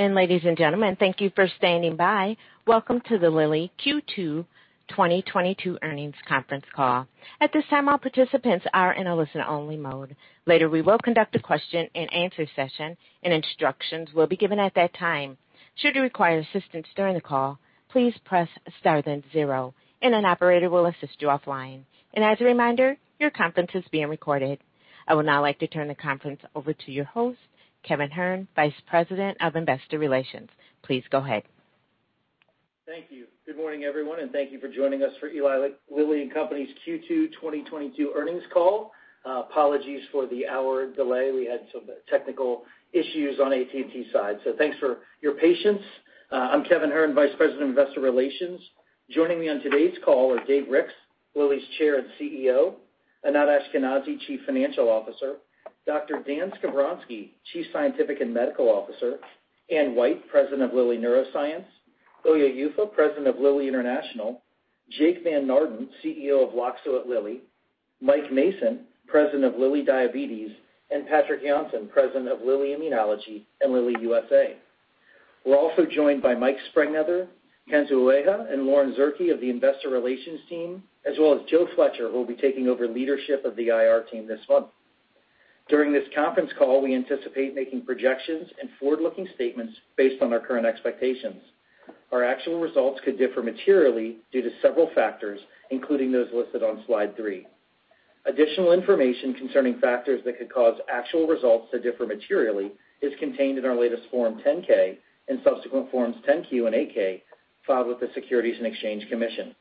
Ladies and gentlemen, thank you for standing by. Welcome to the Lilly Q2 2022 earnings conference call. At this time, all participants are in a listen-only mode. Later, we will conduct a question-and-answer session and instructions will be given at that time. Should you require assistance during the call, please press star then zero, and an operator will assist you offline. As a reminder, your conference is being recorded. I would now like to turn the conference over to your host, Kevin Hern, Vice President of Investor Relations. Please go ahead. Thank you. Good morning, everyone, and thank you for joining us for Eli Lilly and Company's Q2 2022 earnings call. Apologies for the hour delay. We had some technical issues on AT&T side. Thanks for your patience. I'm Kevin Hern, Vice President of Investor Relations. Joining me on today's call are Dave Ricks, Lilly's Chair and CEO, Anat Ashkenazi, Chief Financial Officer, Dr. Daniel Skovronsky, Chief Scientific and Medical Officer, Anne White, President of Lilly Neuroscience, Ilya Yuffa, President of Lilly International, Jacob Van Naarden, CEO of Loxo at Lilly, Mike Mason, President of Lilly Diabetes, and Patrik Jonsson, President of Lilly Immunology and Lilly USA. We're also joined by Mike Sprengnether, Kento Ueha, and Lauren Zierke of the investor relations team, as well as Joe Fletcher, who will be taking over leadership of the IR team this month. During this conference call, we anticipate making projections and forward-looking statements based on our current expectations. Our actual results could differ materially due to several factors, including those listed on slide three. Additional information concerning factors that could cause actual results to differ materially is contained in our latest Form 10-K and subsequent Forms 10-Q and 8-K filed with the Securities and Exchange Commission.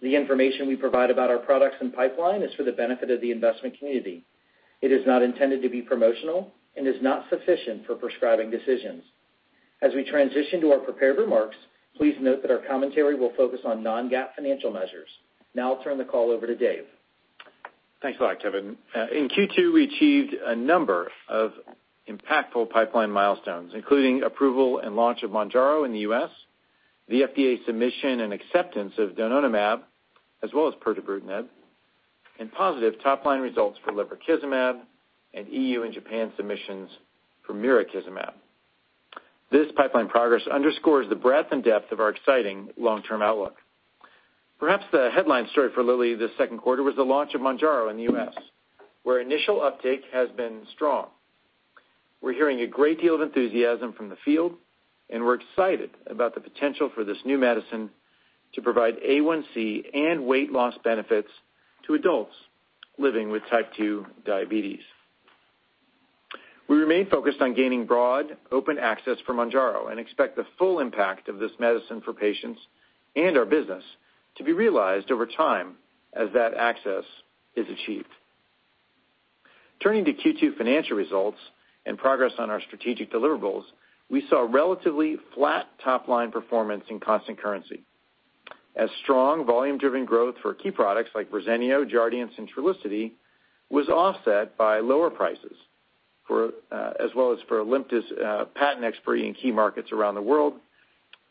The information we provide about our products and pipeline is for the benefit of the investment community. It is not intended to be promotional and is not sufficient for prescribing decisions. As we transition to our prepared remarks, please note that our commentary will focus on non-GAAP financial measures. Now I'll turn the call over to Dave. Thanks a lot, Kevin. In Q2, we achieved a number of impactful pipeline milestones, including approval and launch of Mounjaro in the U.S., the FDA submission and acceptance of donanemab, as well as pirtobrutinib, and positive top-line results for lebrikizumab and E.U. and Japan submissions for mirikizumab. This pipeline progress underscores the breadth and depth of our exciting long-term outlook. Perhaps the headline story for Lilly this second quarter was the launch of Mounjaro in the U.S., where initial uptake has been strong. We're hearing a great deal of enthusiasm from the field, and we're excited about the potential for this new medicine to provide A1C and weight loss benefits to adults living with type 2 diabetes. We remain focused on gaining broad open access for Mounjaro and expect the full impact of this medicine for patients and our business to be realized over time as that access is achieved. Turning to Q2 financial results and progress on our strategic deliverables, we saw relatively flat top-line performance in constant currency as strong volume-driven growth for key products like Verzenio, Jardiance, and Trulicity was offset by lower prices for, as well as for ALIMTA's patent expiry in key markets around the world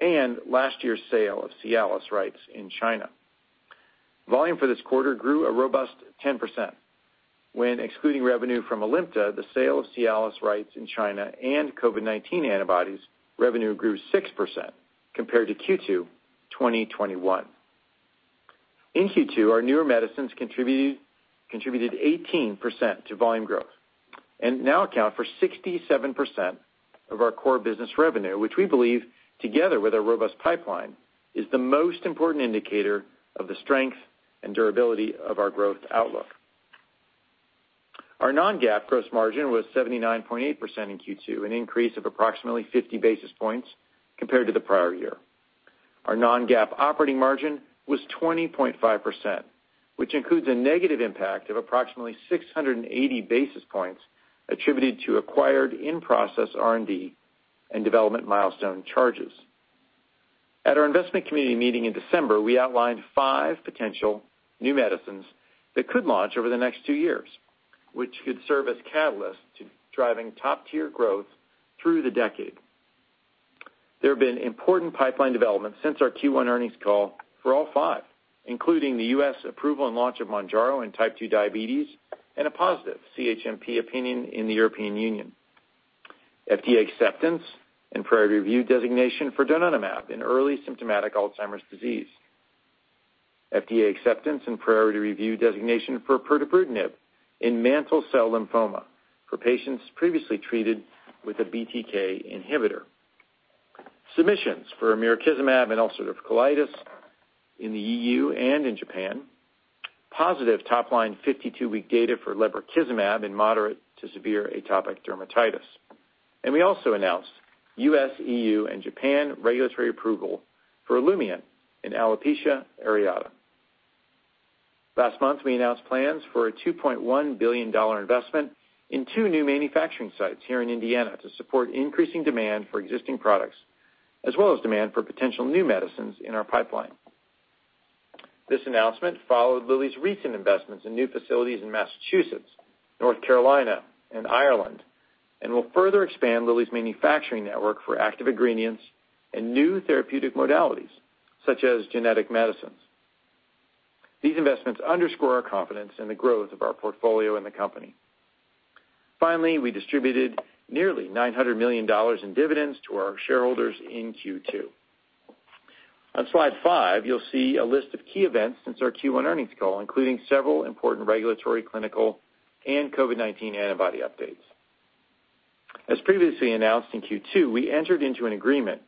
and last year's sale of Cialis rights in China. Volume for this quarter grew a robust 10%. When excluding revenue from ALIMTA, the sale of Cialis rights in China and COVID-19 antibodies, revenue grew 6% compared to Q2 2021. In Q2, our newer medicines contributed 18% to volume growth and now account for 67% of our core business revenue, which we believe together with our robust pipeline is the most important indicator of the strength and durability of our growth outlook. Our non-GAAP gross margin was 79.8% in Q2, an increase of approximately 50 basis points compared to the prior year. Our non-GAAP operating margin was 20.5%, which includes a negative impact of approximately 680 basis points attributed to acquired in-process R&D and development milestone charges. At our investment community meeting in December, we outlined five potential new medicines that could launch over the next two years, which could serve as catalysts to driving top-tier growth through the decade. There have been important pipeline developments since our Q1 earnings call for all five, including the U.S. approval and launch of Mounjaro in type 2 diabetes and a positive CHMP opinion in the European Union. FDA acceptance and priority review designation for donanemab in early symptomatic Alzheimer's disease. FDA acceptance and priority review designation for pirtobrutinib in mantle cell lymphoma for patients previously treated with a BTK inhibitor. Submissions for mirikizumab in ulcerative colitis in the EU and in Japan. Positive top-line 52-week data for lebrikizumab in moderate to severe atopic dermatitis. We also announced U.S., EU, and Japan regulatory approval for Olumiant in alopecia areata. Last month, we announced plans for a $2.1 billion investment in two new manufacturing sites here in Indiana to support increasing demand for existing products, as well as demand for potential new medicines in our pipeline. This announcement followed Lilly's recent investments in new facilities in Massachusetts, North Carolina, and Ireland, and will further expand Lilly's manufacturing network for active ingredients and new therapeutic modalities such as genetic medicines. These investments underscore our confidence in the growth of our portfolio in the company. Finally, we distributed nearly $900 million in dividends to our shareholders in Q2. On slide five, you'll see a list of key events since our Q1 earnings call, including several important regulatory, clinical, and COVID-19 antibody updates. As previously announced, in Q2, we entered into an agreement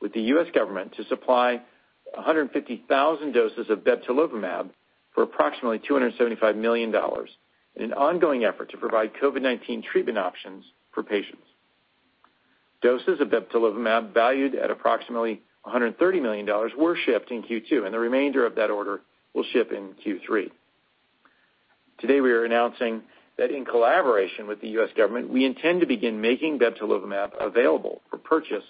with the U.S. government to supply 150,000 doses of bebtelovimab for approximately $275 million in an ongoing effort to provide COVID-19 treatment options for patients. Doses of bebtelovimab valued at approximately $130 million were shipped in Q2, and the remainder of that order will ship in Q3. Today we are announcing that in collaboration with the U.S. government, we intend to begin making bebtelovimab available for purchase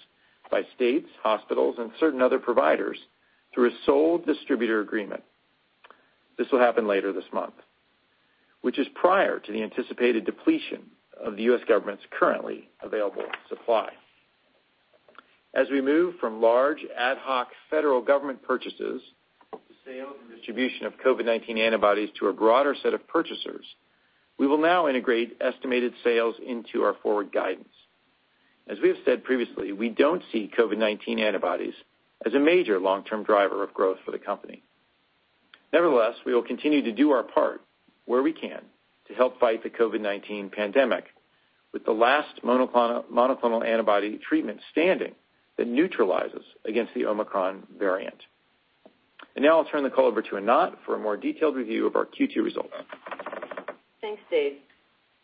by states, hospitals, and certain other providers through a sole distributor agreement. This will happen later this month, which is prior to the anticipated depletion of the U.S. government's currently available supply. As we move from large ad hoc federal government purchases to sale and distribution of COVID-19 antibodies to a broader set of purchasers, we will now integrate estimated sales into our forward guidance. As we have said previously, we don't see COVID-19 antibodies as a major long-term driver of growth for the company. Nevertheless, we will continue to do our part where we can to help fight the COVID-19 pandemic with the last monoclonal antibody treatment standing that neutralizes against the Omicron variant. Now I'll turn the call over to Anat for a more detailed review of our Q2 results. Thanks, Dave.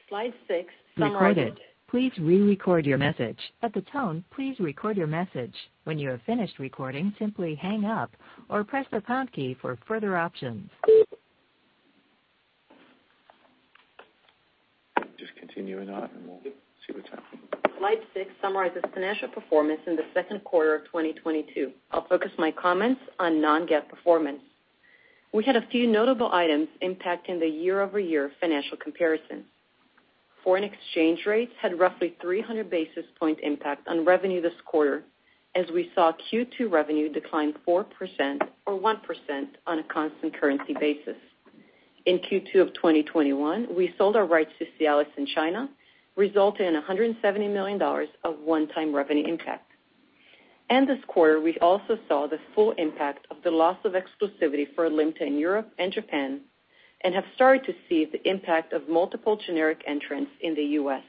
slide six summarizes. Recorded. Please re-record your message. At the tone, please record your message. When you are finished recording, simply hang up or press the pound key for further options. Just continue, Anat, and we'll see what's happening. slide six summarizes financial performance in the second quarter of 2022. I'll focus my comments on non-GAAP performance. We had a few notable items impacting the year-over-year financial comparison. Foreign exchange rates had roughly 300 basis point impact on revenue this quarter as we saw Q2 revenue decline 4% or 1% on a constant currency basis. In Q2 of 2021, we sold our rights to Cialis in China, resulting in $170 million of one-time revenue impact. This quarter, we also saw the full impact of the loss of exclusivity for ALIMTA in Europe and Japan and have started to see the impact of multiple generic entrants in the U.S.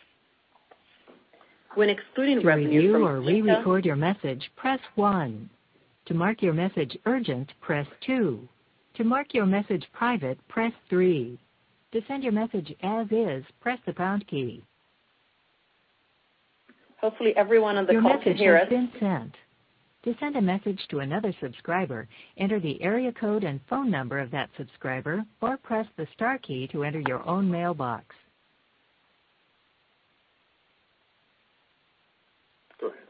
When excluding revenue from ALIMTA- To review or re-record your message, press one. To mark your message urgent, press two. To mark your message private, press three. To send your message as is, press the pound key. Hopefully everyone on the call can hear us. Your message has been sent. To send a message to another subscriber, enter the area code and phone number of that subscriber, or press the star key to enter your own mailbox.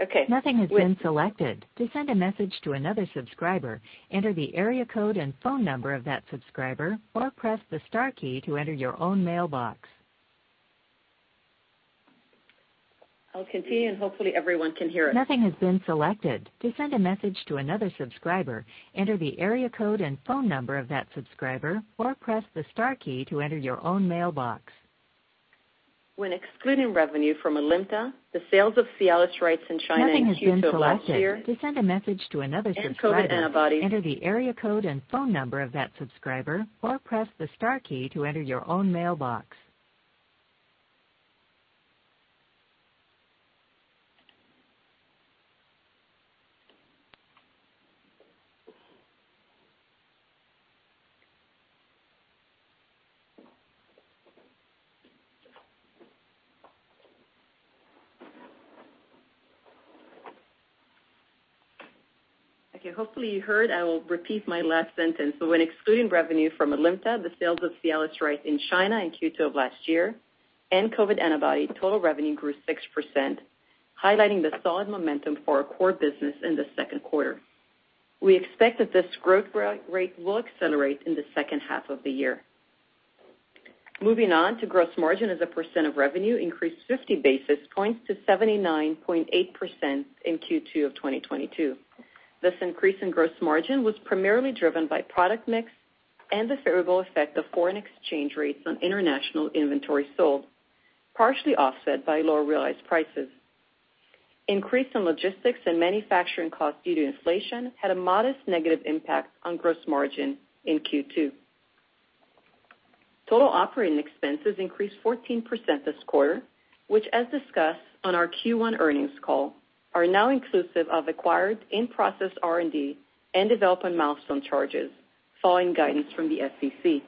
Okay. Nothing has been selected. To send a message to another subscriber, enter the area code and phone number of that subscriber, or press the star key to enter your own mailbox. I'll continue, and hopefully everyone can hear it. Nothing has been selected. To send a message to another subscriber, enter the area code and phone number of that subscriber, or press the star key to enter your own mailbox. When excluding revenue from ALIMTA, the sales of Cialis rights in China in Q2 of last year. Nothing has been selected. To send a message to another subscriber. COVID antibodies. Enter the area code and phone number of that subscriber, or press the star key to enter your own mailbox. Okay. Hopefully you heard, I will repeat my last sentence. When excluding revenue from ALIMTA, the sales of Cialis rights in China in Q2 of last year, and COVID antibody, total revenue grew 6%, highlighting the solid momentum for our core business in the second quarter. We expect that this growth rate will accelerate in the second half of the year. Moving on to gross margin as a percent of revenue increased 50 basis points to 79.8% in Q2 of 2022. This increase in gross margin was primarily driven by product mix and the favorable effect of foreign exchange rates on international inventory sold, partially offset by lower realized prices. Increase in logistics and manufacturing costs due to inflation had a modest negative impact on gross margin in Q2. Total operating expenses increased 14% this quarter, which, as discussed on our Q1 earnings call, are now inclusive of acquired IPR&D and development milestone charges, following guidance from the SEC.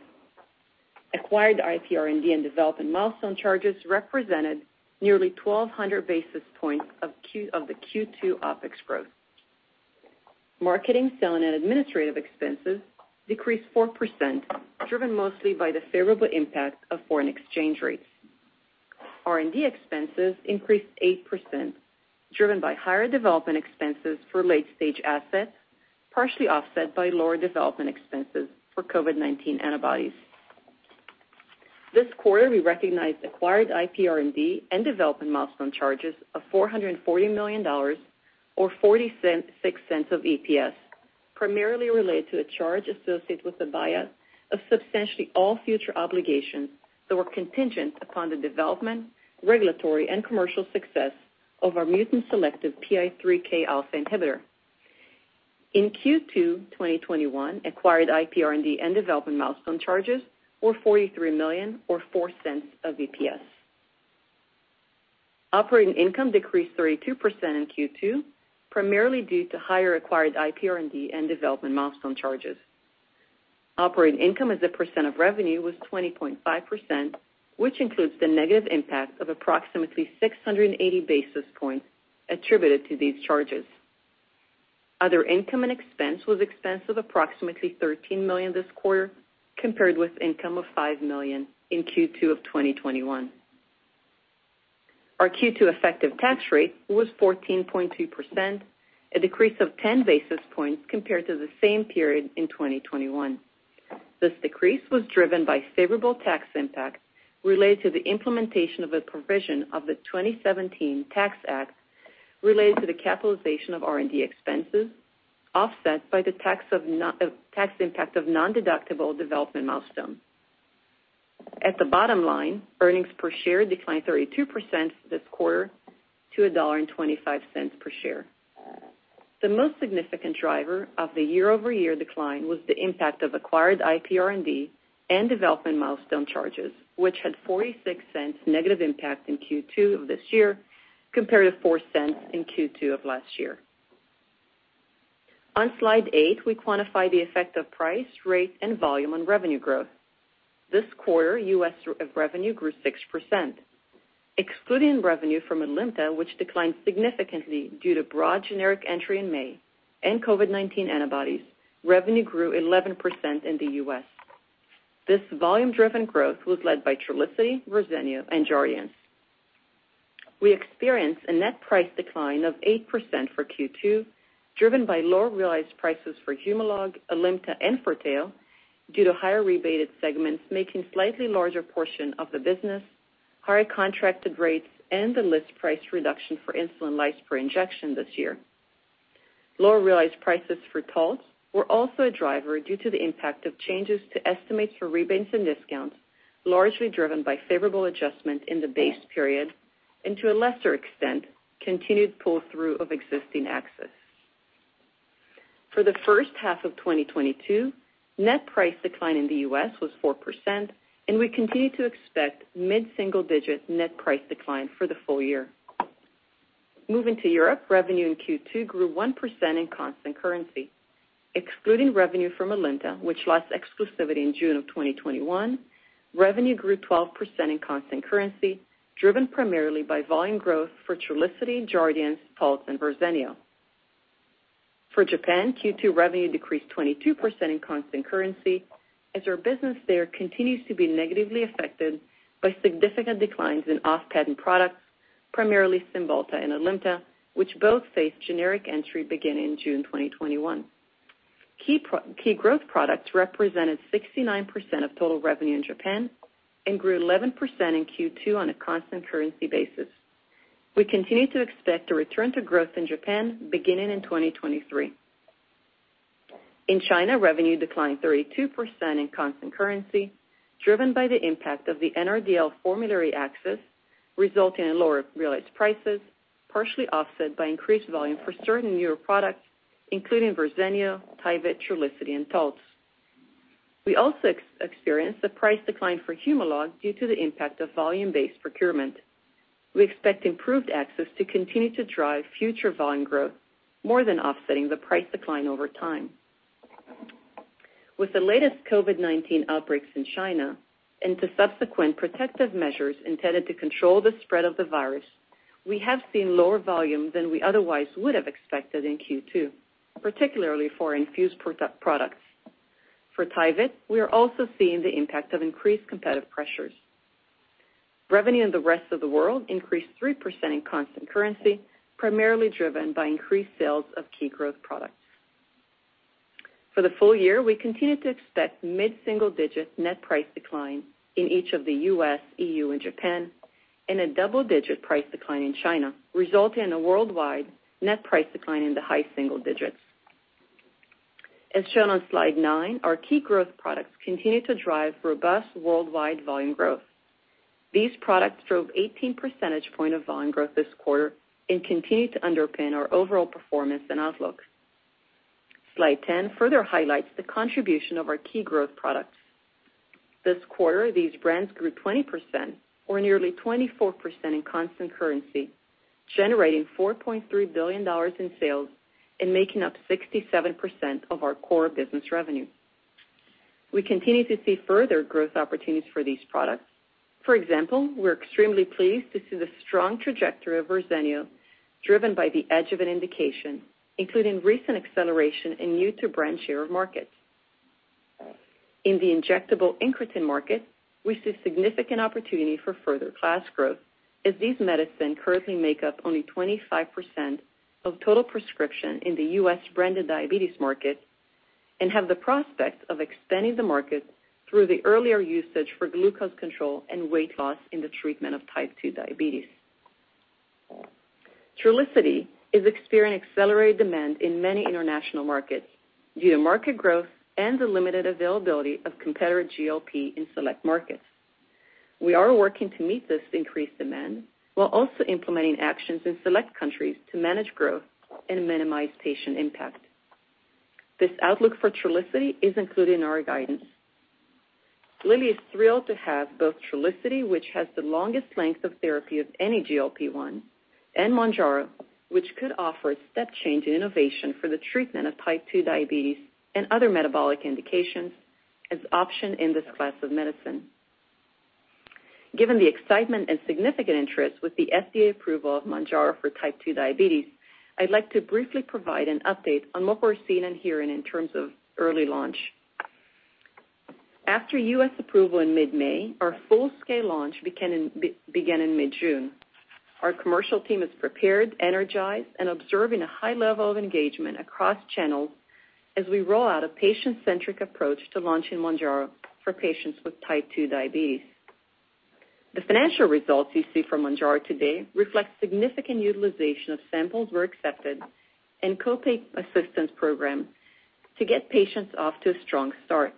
Acquired IPR&D and development milestone charges represented nearly 1,200 basis points of the Q2 OpEx growth. Marketing, selling, and administrative expenses decreased 4%, driven mostly by the favorable impact of foreign exchange rates. R&D expenses increased 8%, driven by higher development expenses for late-stage assets, partially offset by lower development expenses for COVID-19 antibodies. This quarter, we recognized acquired IPR&D and development milestone charges of $440 million or $0.46 of EPS, primarily related to a charge associated with the buyer of substantially all future obligations that were contingent upon the development, regulatory and commercial success of our mutant selective PI3Kα inhibitor. In Q2 2021, acquired IPR&D and development milestone charges were $43 million or $0.04 of EPS. Operating income decreased 32% in Q2, primarily due to higher acquired IPR&D and development milestone charges. Operating income as a percent of revenue was 20.5%, which includes the negative impact of approximately 680 basis points attributed to these charges. Other income and expense was expense of approximately $13 million this quarter, compared with income of $5 million in Q2 of 2021. Our Q2 effective tax rate was 14.2%, a decrease of 10 basis points compared to the same period in 2021. This decrease was driven by favorable tax impact related to the implementation of a provision of the 2017 Tax Act related to the capitalization of R&D expenses, offset by the tax impact of nondeductible development milestone. At the bottom line, earnings per share declined 32% this quarter to $1.25 per share. The most significant driver of the year-over-year decline was the impact of acquired IPR&D and development milestone charges, which had $0.46 negative impact in Q2 of this year, compared to $0.04 in Q2 of last year. On slide eight, we quantify the effect of price, rate, and volume on revenue growth. This quarter, U.S. Revenue grew 6%. Excluding revenue from ALIMTA, which declined significantly due to broad generic entry in May and COVID-19 antibodies, revenue grew 11% in the U.S. This volume-driven growth was led by Trulicity, Verzenio, and Jardiance. We experienced a net price decline of 8% for Q2, driven by lower realized prices for Humalog, ALIMTA, and FORTEO due to higher rebated segments making slightly larger portion of the business, higher contracted rates, and the list price reduction for Insulin Lispro Injection this year. Lower realized prices for Cialis were also a driver due to the impact of changes to estimates for rebates and discounts, largely driven by favorable adjustment in the base period and to a lesser extent, continued pull-through of existing access. For the first half of 2022, net price decline in the U.S. was 4%, and we continue to expect mid-single-digit net price decline for the full year. Moving to Europe, revenue in Q2 grew 1% in constant currency. Excluding revenue from ALIMTA, which lost exclusivity in June 2021, revenue grew 12% in constant currency, driven primarily by volume growth for Trulicity, Jardiance, and Verzenio. For Japan, Q2 revenue decreased 22% in constant currency as our business there continues to be negatively affected by significant declines in off-patent products, primarily Cymbalta and ALIMTA, which both faced generic entry beginning June 2021. Key growth products represented 69% of total revenue in Japan and grew 11% in Q2 on a constant currency basis. We continue to expect a return to growth in Japan beginning in 2023. In China, revenue declined 32% in constant currency, driven by the impact of the NRDL formulary access, resulting in lower realized prices, partially offset by increased volume for certain newer products, including Verzenio, Tyvyt, and Trulicity. We also experienced a price decline for Humalog due to the impact of volume-based procurement. We expect improved access to continue to drive future volume growth, more than offsetting the price decline over time. With the latest COVID-19 outbreaks in China and the subsequent protective measures intended to control the spread of the virus, we have seen lower volume than we otherwise would have expected in Q2, particularly for infused products. For Tyvyt, we are also seeing the impact of increased competitive pressures. Revenue in the rest of the world increased 3% in constant currency, primarily driven by increased sales of key growth products. For the full year, we continue to expect mid-single-digit net price decline in each of the U.S., E.U., and Japan, and a double-digit price decline in China, resulting in a worldwide net price decline in the high single digits. As shown on slide nine, our key growth products continue to drive robust worldwide volume growth. These products drove 18 percentage points of volume growth this quarter and continue to underpin our overall performance and outlook. Slide 10 further highlights the contribution of our key growth products. This quarter, these brands grew 20% or nearly 24% in constant currency, generating $4.3 billion in sales and making up 67% of our core business revenue. We continue to see further growth opportunities for these products. For example, we're extremely pleased to see the strong trajectory of Verzenio, driven by the expansion of an indication, including recent acceleration in new-to-brand share of market. In the injectable incretin market, we see significant opportunity for further class growth, as these medicines currently make up only 25% of total prescriptions in the U.S. branded diabetes market and have the prospect of expanding the market through the earlier usage for glucose control and weight loss in the treatment of type 2 diabetes. Trulicity is experiencing accelerated demand in many international markets due to market growth and the limited availability of competitor GLP in select markets. We are working to meet this increased demand while also implementing actions in select countries to manage growth and minimize patient impact. This outlook for Trulicity is included in our guidance. Lilly is thrilled to have both Trulicity, which has the longest length of therapy of any GLP-1, and Mounjaro, which could offer a step change in innovation for the treatment of type 2 diabetes and other metabolic indications as option in this class of medicine. Given the excitement and significant interest with the FDA approval of Mounjaro for type 2 diabetes, I'd like to briefly provide an update on what we're seeing and hearing in terms of early launch. After U.S. approval in mid-May, our full-scale launch began in mid-June. Our commercial team is prepared, energized, and observing a high level of engagement across channels as we roll out a patient-centric approach to launching Mounjaro for patients with type 2 diabetes. The financial results you see from Mounjaro today reflect significant utilization of samples, our accepted copay assistance program to get patients off to a strong start.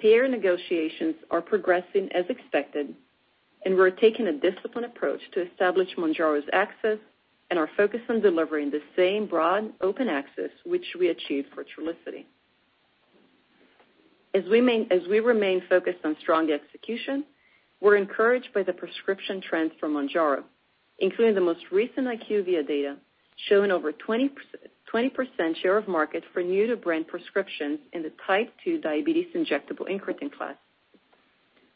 Payer negotiations are progressing as expected, and we're taking a disciplined approach to establish Mounjaro's access and are focused on delivering the same broad open access which we achieved for Trulicity. As we remain focused on strong execution, we're encouraged by the prescription trends for Mounjaro, including the most recent IQVIA data showing over 20% share of market for new to brand prescriptions in the type two diabetes injectable incretin class.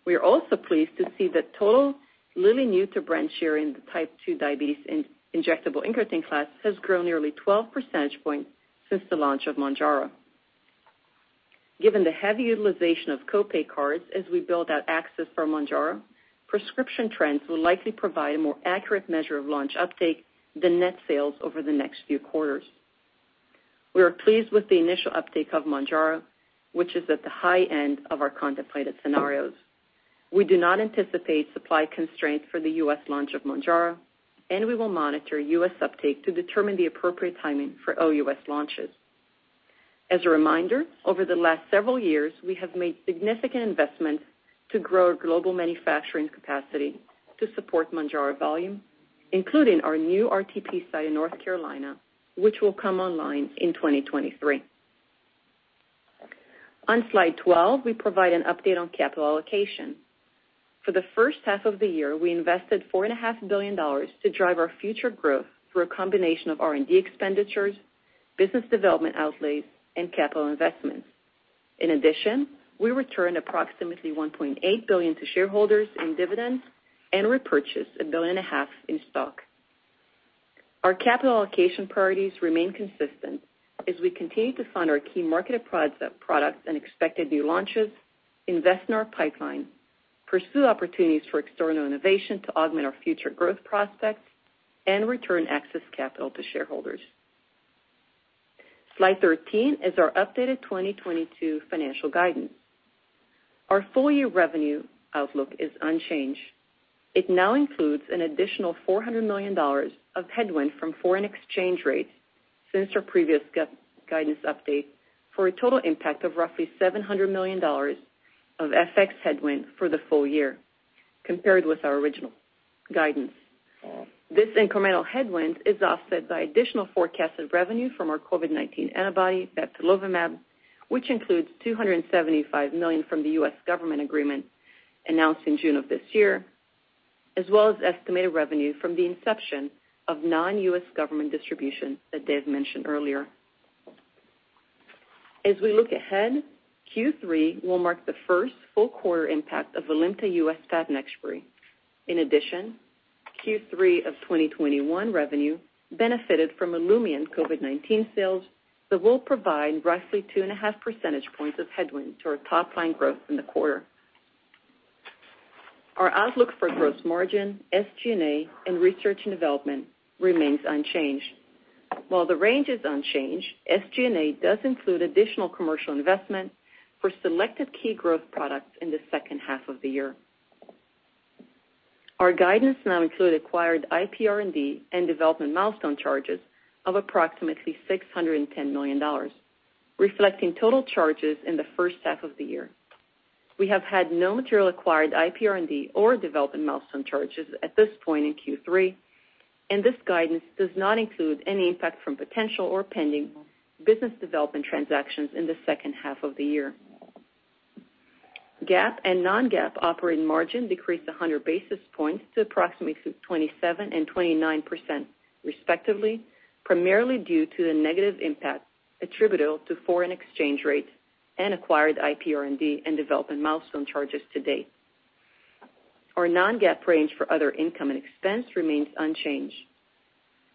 We are also pleased to see that total Lilly new to brand share in the type two diabetes injectable incretin class has grown nearly 12 percentage points since the launch of Mounjaro. Given the heavy utilization of co-pay cards as we build out access for Mounjaro, prescription trends will likely provide a more accurate measure of launch uptake than net sales over the next few quarters. We are pleased with the initial uptake of Mounjaro, which is at the high end of our contemplated scenarios. We do not anticipate supply constraints for the U.S. launch of Mounjaro, and we will monitor US uptake to determine the appropriate timing for OUS launches. As a reminder, over the last several years, we have made significant investments to grow our global manufacturing capacity to support Mounjaro volume, including our new RTP site in North Carolina, which will come online in 2023. On slide 12, we provide an update on capital allocation. For the first half of the year, we invested $4.5 billion to drive our future growth through a combination of R&D expenditures, business development outlays, and capital investments. In addition, we returned approximately $1.8 billion to shareholders in dividends and repurchased $1.5 billion in stock. Our capital allocation priorities remain consistent as we continue to fund our key marketed products and expected new launches, invest in our pipeline, pursue opportunities for external innovation to augment our future growth prospects, and return excess capital to shareholders. Slide 13 is our updated 2022 financial guidance. Our full year revenue outlook is unchanged. It now includes an additional $400 million of headwind from foreign exchange rates since our previous guidance update, for a total impact of roughly $700 million of FX headwind for the full year compared with our original guidance. This incremental headwind is offset by additional forecasted revenue from our COVID-19 antibody, bebtelovimab, which includes $275 million from the U.S. government agreement announced in June of this year, as well as estimated revenue from the inception of non-U.S. government distribution that Dave mentioned earlier. As we look ahead, Q3 will mark the first full quarter impact of ALIMTA U.S. patent expiry. In addition, Q3 of 2021 revenue benefited from Olumiant COVID-19 sales that will provide roughly 2.5 percentage points of headwind to our top line growth in the quarter. Our outlook for gross margin, SG&A, and research and development remains unchanged. While the range is unchanged, SG&A does include additional commercial investment for selected key growth products in the second half of the year. Our guidance now include acquired IPR&D and development milestone charges of approximately $610 million, reflecting total charges in the first half of the year. We have had no material acquired IPR&D or development milestone charges at this point in Q3, and this guidance does not include any impact from potential or pending business development transactions in the second half of the year. GAAP and non-GAAP operating margin decreased 100 basis points to approximately 27% and 29%, respectively, primarily due to the negative impact attributable to foreign exchange rates and acquired IPR&D and development milestone charges to date. Our non-GAAP range for other income and expense remains unchanged.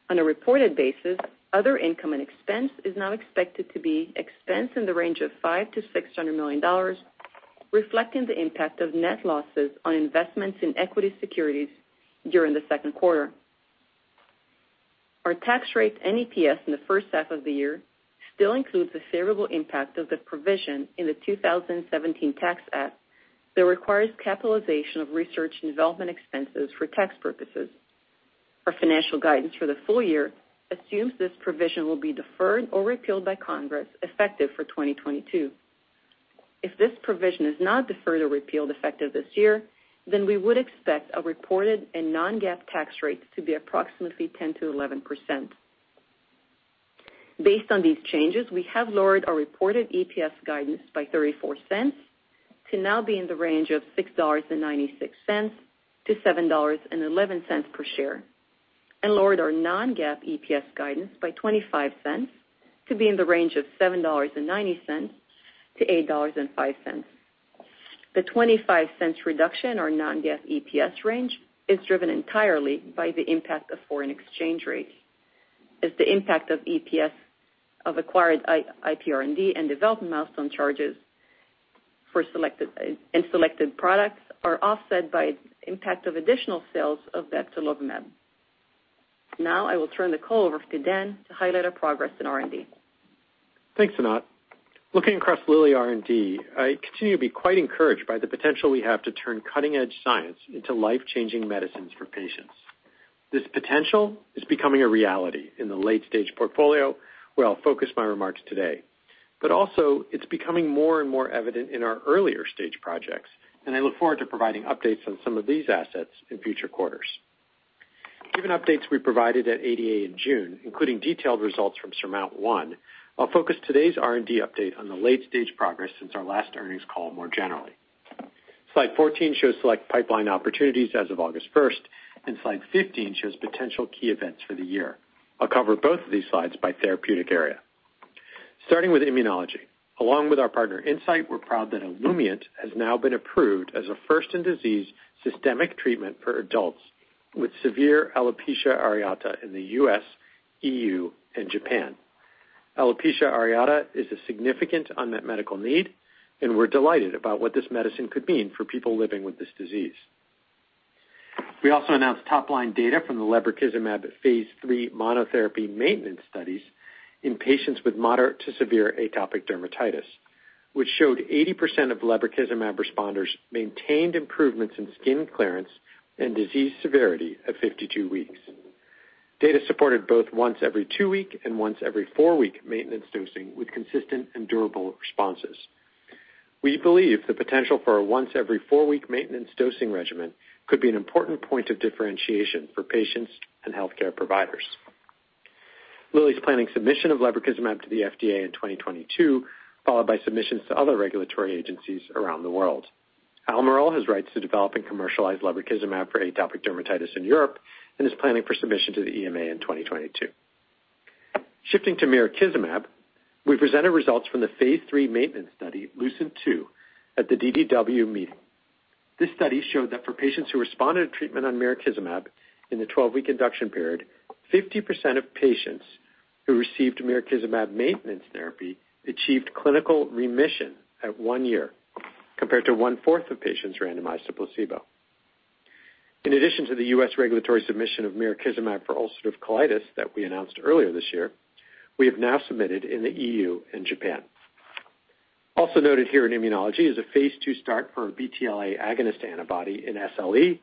On a reported basis, other income and expense is now expected to be expense in the range of $500 million-$600 million, reflecting the impact of net losses on investments in equity securities during the second quarter. Our tax rate and EPS in the first half of the year still includes the favorable impact of the provision in the 2017 Tax Act that requires capitalization of research and development expenses for tax purposes. Our financial guidance for the full year assumes this provision will be deferred or repealed by Congress effective for 2022. If this provision is not deferred or repealed effective this year, then we would expect a reported and non-GAAP tax rate to be approximately 10%-11%. Based on these changes, we have lowered our reported EPS guidance by $0.34 to now be in the range of $6.96-$7.11 per share, and lowered our non-GAAP EPS guidance by $0.25 to be in the range of $7.90-$8.05. The $0.25 reduction in our non-GAAP EPS range is driven entirely by the impact of foreign exchange rates, as the impact on EPS of acquired IPR&D and development milestone charges for selected products are offset by impact of additional sales of bebtelovimab. Now I will turn the call over to Dan to highlight our progress in R&D. Thanks, Anat. Looking across Lilly R&D, I continue to be quite encouraged by the potential we have to turn cutting-edge science into life-changing medicines for patients. This potential is becoming a reality in the late-stage portfolio, where I'll focus my remarks today. Also it's becoming more and more evident in our earlier stage projects, and I look forward to providing updates on some of these assets in future quarters. Given updates we provided at ADA in June, including detailed results from SURMOUNT-1, I'll focus today's R&D update on the late-stage progress since our last earnings call more generally. slide 14 shows select pipeline opportunities as of August 1, and slide 15 shows potential key events for the year. I'll cover both of these slides by therapeutic area. Starting with immunology. Along with our partner, Incyte, we're proud that Olumiant has now been approved as a first-in-disease systemic treatment for adults with severe alopecia areata in the US, EU, and Japan. Alopecia areata is a significant unmet medical need, and we're delighted about what this medicine could mean for people living with this disease. We also announced top-line data from the lebrikizumab phase III monotherapy maintenance studies in patients with moderate-to-severe atopic dermatitis, which showed 80% of lebrikizumab responders maintained improvements in skin clearance and disease severity at 52 weeks. Data supported both once every two-week and once every four-week maintenance dosing with consistent and durable responses. We believe the potential for a once every four-week maintenance dosing regimen could be an important point of differentiation for patients and healthcare providers. Lilly's planning submission of lebrikizumab to the FDA in 2022, followed by submissions to other regulatory agencies around the world. Almirall has rights to develop and commercialize lebrikizumab for atopic dermatitis in Europe and is planning for submission to the EMA in 2022. Shifting to mirikizumab, we presented results from the phase III maintenance study, LUCENT-2, at the DDW meeting. This study showed that for patients who responded to treatment on mirikizumab in the 12-week induction period, 50% of patients who received mirikizumab maintenance therapy achieved clinical remission at one year, compared to 25% of patients randomized to placebo. In addition to the U.S. regulatory submission of mirikizumab for ulcerative colitis that we announced earlier this year, we have now submitted in the EU and Japan. Also noted here in immunology is a phase II start for a BTLA agonist antibody in SLE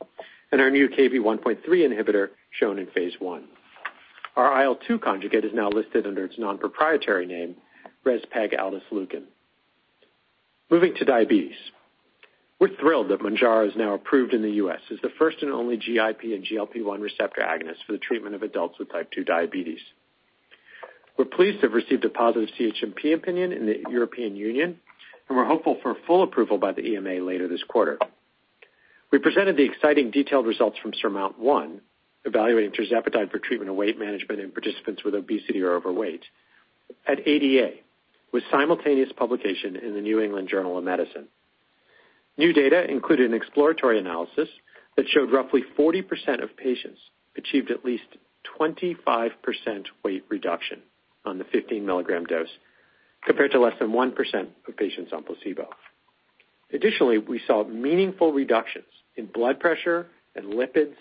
and our new Kv1.3 inhibitor shown in phase I. Our IL-2 conjugate is now listed under its non-proprietary name, rezpegaldesleukin. Moving to diabetes. We're thrilled that Mounjaro is now approved in the U.S. as the first and only GIP and GLP-1 receptor agonist for the treatment of adults with type 2 diabetes. We're pleased to have received a positive CHMP opinion in the European Union, and we're hopeful for full approval by the EMA later this quarter. We presented the exciting detailed results from SURMOUNT-1, evaluating tirzepatide for treatment of weight management in participants with obesity or overweight at ADA, with simultaneous publication in the New England Journal of Medicine. New data included an exploratory analysis that showed roughly 40% of patients achieved at least 25% weight reduction on the 15 mg dose, compared to less than 1% of patients on placebo. Additionally, we saw meaningful reductions in blood pressure and lipids,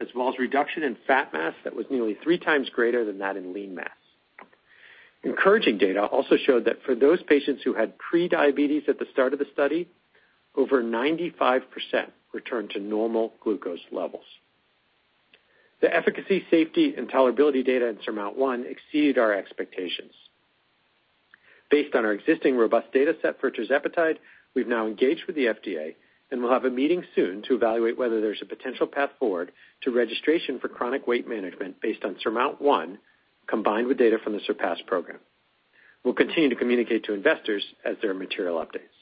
as well as reduction in fat mass that was nearly 3x greater than that in lean mass. Encouraging data also showed that for those patients who had prediabetes at the start of the study, over 95% returned to normal glucose levels. The efficacy, safety, and tolerability data in SURMOUNT-1 exceeded our expectations. Based on our existing robust data set for tirzepatide, we've now engaged with the FDA, and we'll have a meeting soon to evaluate whether there's a potential path forward to registration for chronic weight management based on SURMOUNT-1 combined with data from the SURPASS program. We'll continue to communicate to investors as there are material updates.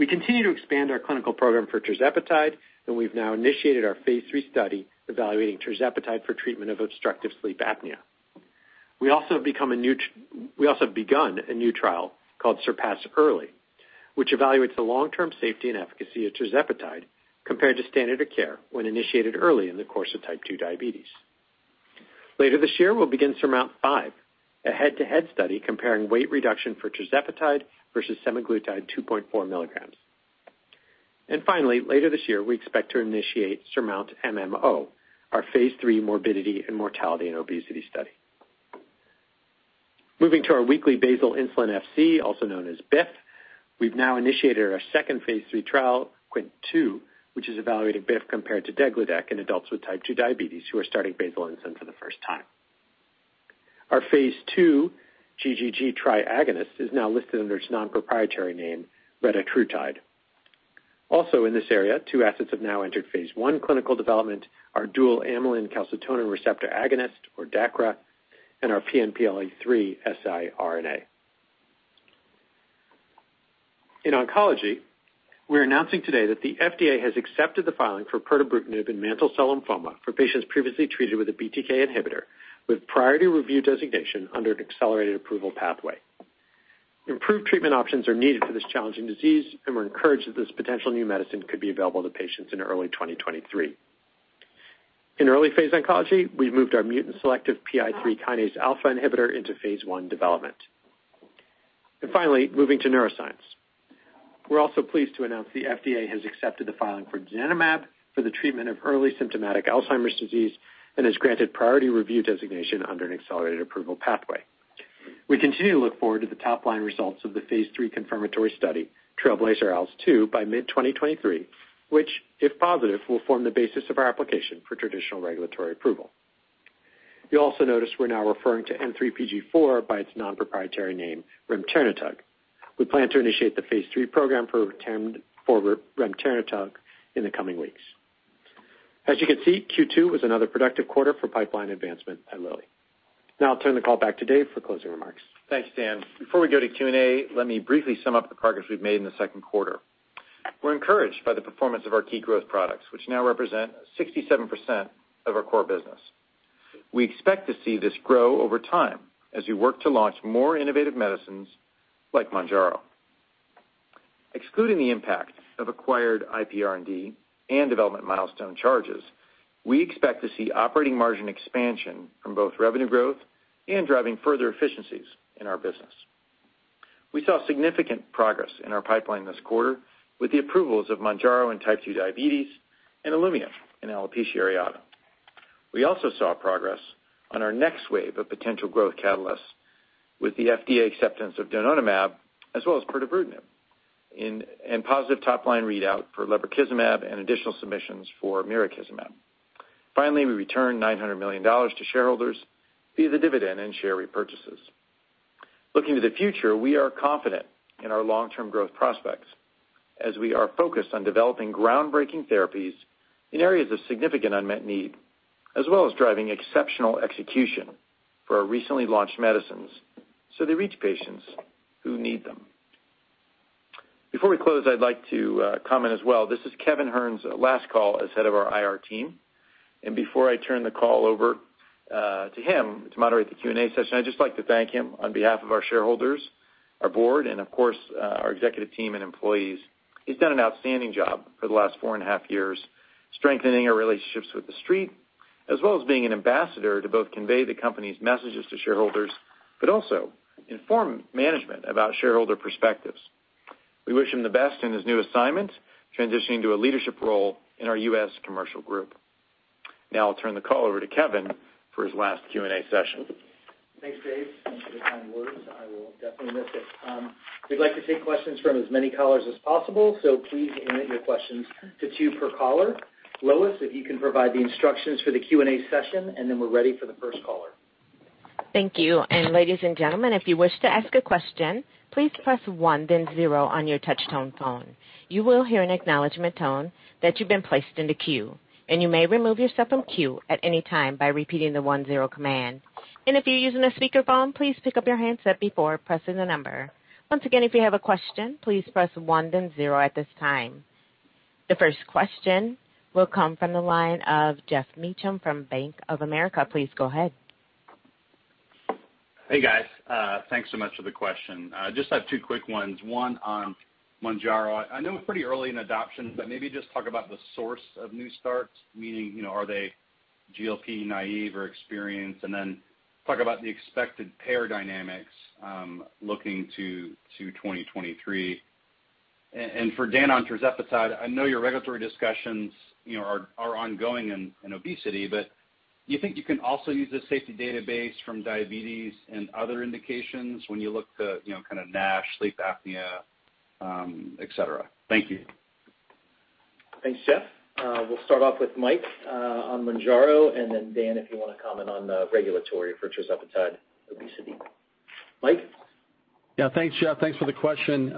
We continue to expand our clinical program for tirzepatide, and we've now initiated our phase III study evaluating tirzepatide for treatment of obstructive sleep apnea. We also have begun a new trial called SURPASS-EARLY, which evaluates the long-term safety and efficacy of tirzepatide compared to standard of care when initiated early in the course of type 2 diabetes. Later this year, we'll begin SURMOUNT-5, a head-to-head study comparing weight reduction for tirzepatide versus semaglutide 2.4 mg. Finally, later this year, we expect to initiate SURMOUNT-MMO, our phase III morbidity and mortality and obesity study. Moving to our weekly basal insulin Fc, also known as BIF, we've now initiated our second phase III trial, QWINT-2, which is evaluating BIF compared to degludec in adults with type 2 diabetes who are starting basal insulin for the first time. Our phase II GGG tri-agonist is now listed under its non-proprietary name, retatrutide. Also in this area, two assets have now entered phase I clinical development, our dual amylin calcitonin receptor agonist, or DACRA, and our PNPLA3 siRNA. In oncology, we're announcing today that the FDA has accepted the filing for pirtobrutinib in mantle cell lymphoma for patients previously treated with a BTK inhibitor with priority review designation under an accelerated approval pathway. Improved treatment options are needed for this challenging disease, and we're encouraged that this potential new medicine could be available to patients in early 2023. In early phase oncology, we've moved our mutant selective PI3Kα inhibitor into phase I development. Finally, moving to neuroscience. We're also pleased to announce the FDA has accepted the filing for donanemab for the treatment of early symptomatic Alzheimer's disease and has granted priority review designation under an accelerated approval pathway. We continue to look forward to the top-line results of the phase III confirmatory study, TRAILBLAZER-ALZ 2, by mid-2023, which, if positive, will form the basis of our application for traditional regulatory approval. You'll also notice we're now referring to N3PG4 by its non-proprietary name, remternetug. We plan to initiate the phase III program for remternetug in the coming weeks. As you can see, Q2 was another productive quarter for pipeline advancement at Lilly. Now I'll turn the call back to Dave for closing remarks. Thanks, Dan. Before we go to Q&A, let me briefly sum up the progress we've made in the second quarter. We're encouraged by the performance of our key growth products, which now represent 67% of our core business. We expect to see this grow over time as we work to launch more innovative medicines like Mounjaro. Excluding the impact of acquired IPR&D and development milestone charges, we expect to see operating margin expansion from both revenue growth and driving further efficiencies in our business. We saw significant progress in our pipeline this quarter with the approvals of Mounjaro in type 2 diabetes and Olumiant in alopecia areata. We also saw progress on our next wave of potential growth catalysts with the FDA acceptance of donanemab as well as pirtobrutinib, and positive top-line readout for lebrikizumab and additional submissions for mirikizumab. Finally, we returned $900 million to shareholders via the dividend and share repurchases. Looking to the future, we are confident in our long-term growth prospects as we are focused on developing groundbreaking therapies in areas of significant unmet need, as well as driving exceptional execution for our recently launched medicines so they reach patients who need them. Before we close, I'd like to comment as well. This is Kevin Hern's last call as head of our IR team, and before I turn the call over to him to moderate the Q&A session, I'd just like to thank him on behalf of our shareholders, our board, and of course, our executive team and employees. He's done an outstanding job for the last four and a half years, strengthening our relationships with the street, as well as being an ambassador to both convey the company's messages to shareholders, but also inform management about shareholder perspectives. We wish him the best in his new assignment, transitioning to a leadership role in our U.S. commercial group. Now I'll turn the call over to Kevin for his last Q&A session. Thanks, Dave. Thanks for the kind words. I will definitely miss it. We'd like to take questions from as many callers as possible, so please limit your questions to two per caller. Lois, if you can provide the instructions for the Q&A session, and then we're ready for the first caller. Thank you. Ladies and gentlemen, if you wish to ask a question, please press one then zero on your touch-tone phone. You will hear an acknowledgment tone that you've been placed in the queue, and you may remove yourself from queue at any time by repeating the one-zero command. If you're using a speakerphone, please pick up your handset before pressing the number. Once again, if you have a question, please press one then zero at this time. The first question will come from the line of Geoff Meacham from Bank of America. Please go ahead. Hey, guys. Thanks so much for the question. Just have two quick ones. One on Mounjaro. I know we're pretty early in adoption, but maybe just talk about the source of new starts, meaning, you know, are they GLP naive or experienced? Then talk about the expected payer dynamics, looking to 2023. For Dan, on tirzepatide, I know your regulatory discussions, you know, are ongoing in obesity, but do you think you can also use the safety database from diabetes and other indications when you look to, you know, kind of NASH, sleep apnea, et cetera? Thank you. Thanks, Geoff. We'll start off with Mike on Mounjaro, and then Dan, if you wanna comment on the regulatory for tirzepatide obesity. Mike? Thanks, Geoff. Thanks for the question.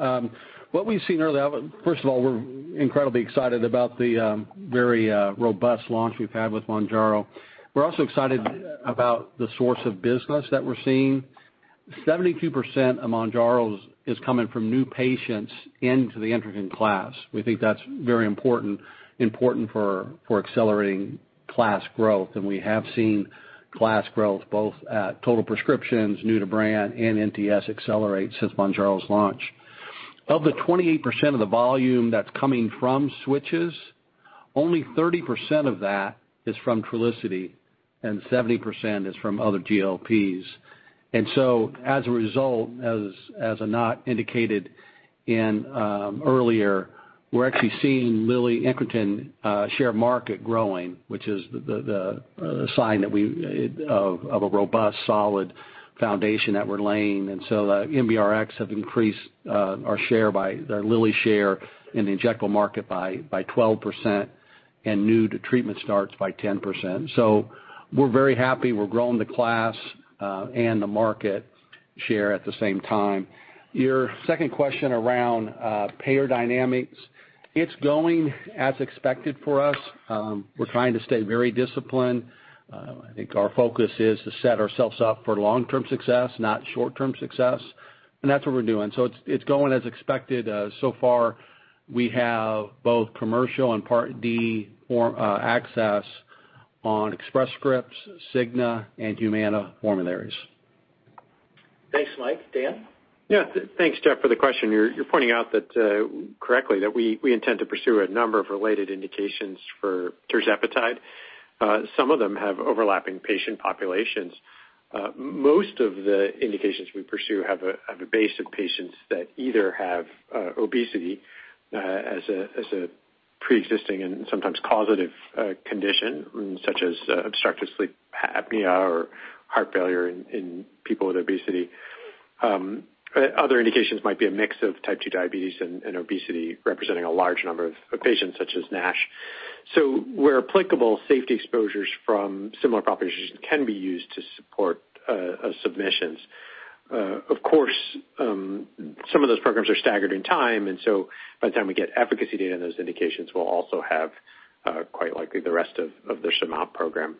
What we've seen early on. First of all, we're incredibly excited about the very robust launch we've had with Mounjaro. We're also excited about the source of business that we're seeing. 72% of Mounjaro's is coming from new patients into the incretin class. We think that's very important for accelerating class growth. We have seen class growth both at total prescriptions, new to brand, and NTS accelerate since Mounjaro's launch. Of the 28% of the volume that's coming from switches. Only 30% of that is from Trulicity and 70% is from other GLPs. As a result, as Anat indicated earlier, we're actually seeing Lilly incretin market share growing, which is the sign of a robust, solid foundation that we're laying. MBRX have increased the Lilly share in the injectable market by 12% and new to treatment starts by 10%. We're very happy we're growing the class and the market share at the same time. Your second question around payer dynamics, it's going as expected for us. We're trying to stay very disciplined. I think our focus is to set ourselves up for long-term success, not short-term success, and that's what we're doing. It's going as expected. So far, we have both commercial and Part D access on Express Scripts, Cigna, and Humana formularies. Thanks, Mike. Dan? Yeah. Thanks, Jeff, for the question. You're pointing out that correctly that we intend to pursue a number of related indications for tirzepatide. Some of them have overlapping patient populations. Most of the indications we pursue have a base of patients that either have obesity as a preexisting and sometimes causative condition, such as obstructive sleep apnea or heart failure in people with obesity. Other indications might be a mix of type 2 diabetes and obesity, representing a large number of patients such as NASH. Where applicable, safety exposures from similar populations can be used to support submissions. Of course, some of those programs are staggered in time, and so by the time we get efficacy data in those indications, we'll also have quite likely the rest of the SURMOUNT program.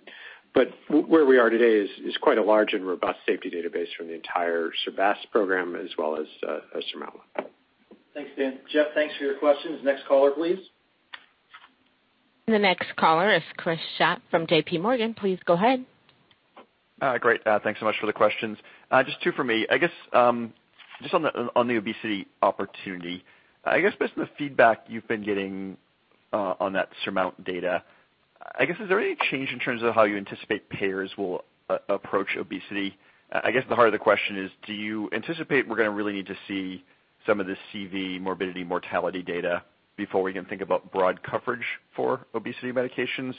Where we are today is quite a large and robust safety database from the entire SURPASS program as well as SURMOUNT. Thanks, Dan. Jeff, thanks for your questions. Next caller, please. The next caller is Chris Schott from JPMorgan. Please go ahead. Great. Thanks so much for the questions. Just two for me. I guess just on the obesity opportunity, I guess based on the feedback you've been getting on that SURMOUNT data, I guess, is there any change in terms of how you anticipate payers will approach obesity? I guess the heart of the question is, do you anticipate we're gonna really need to see some of the CV morbidity mortality data before we can think about broad coverage for obesity medications?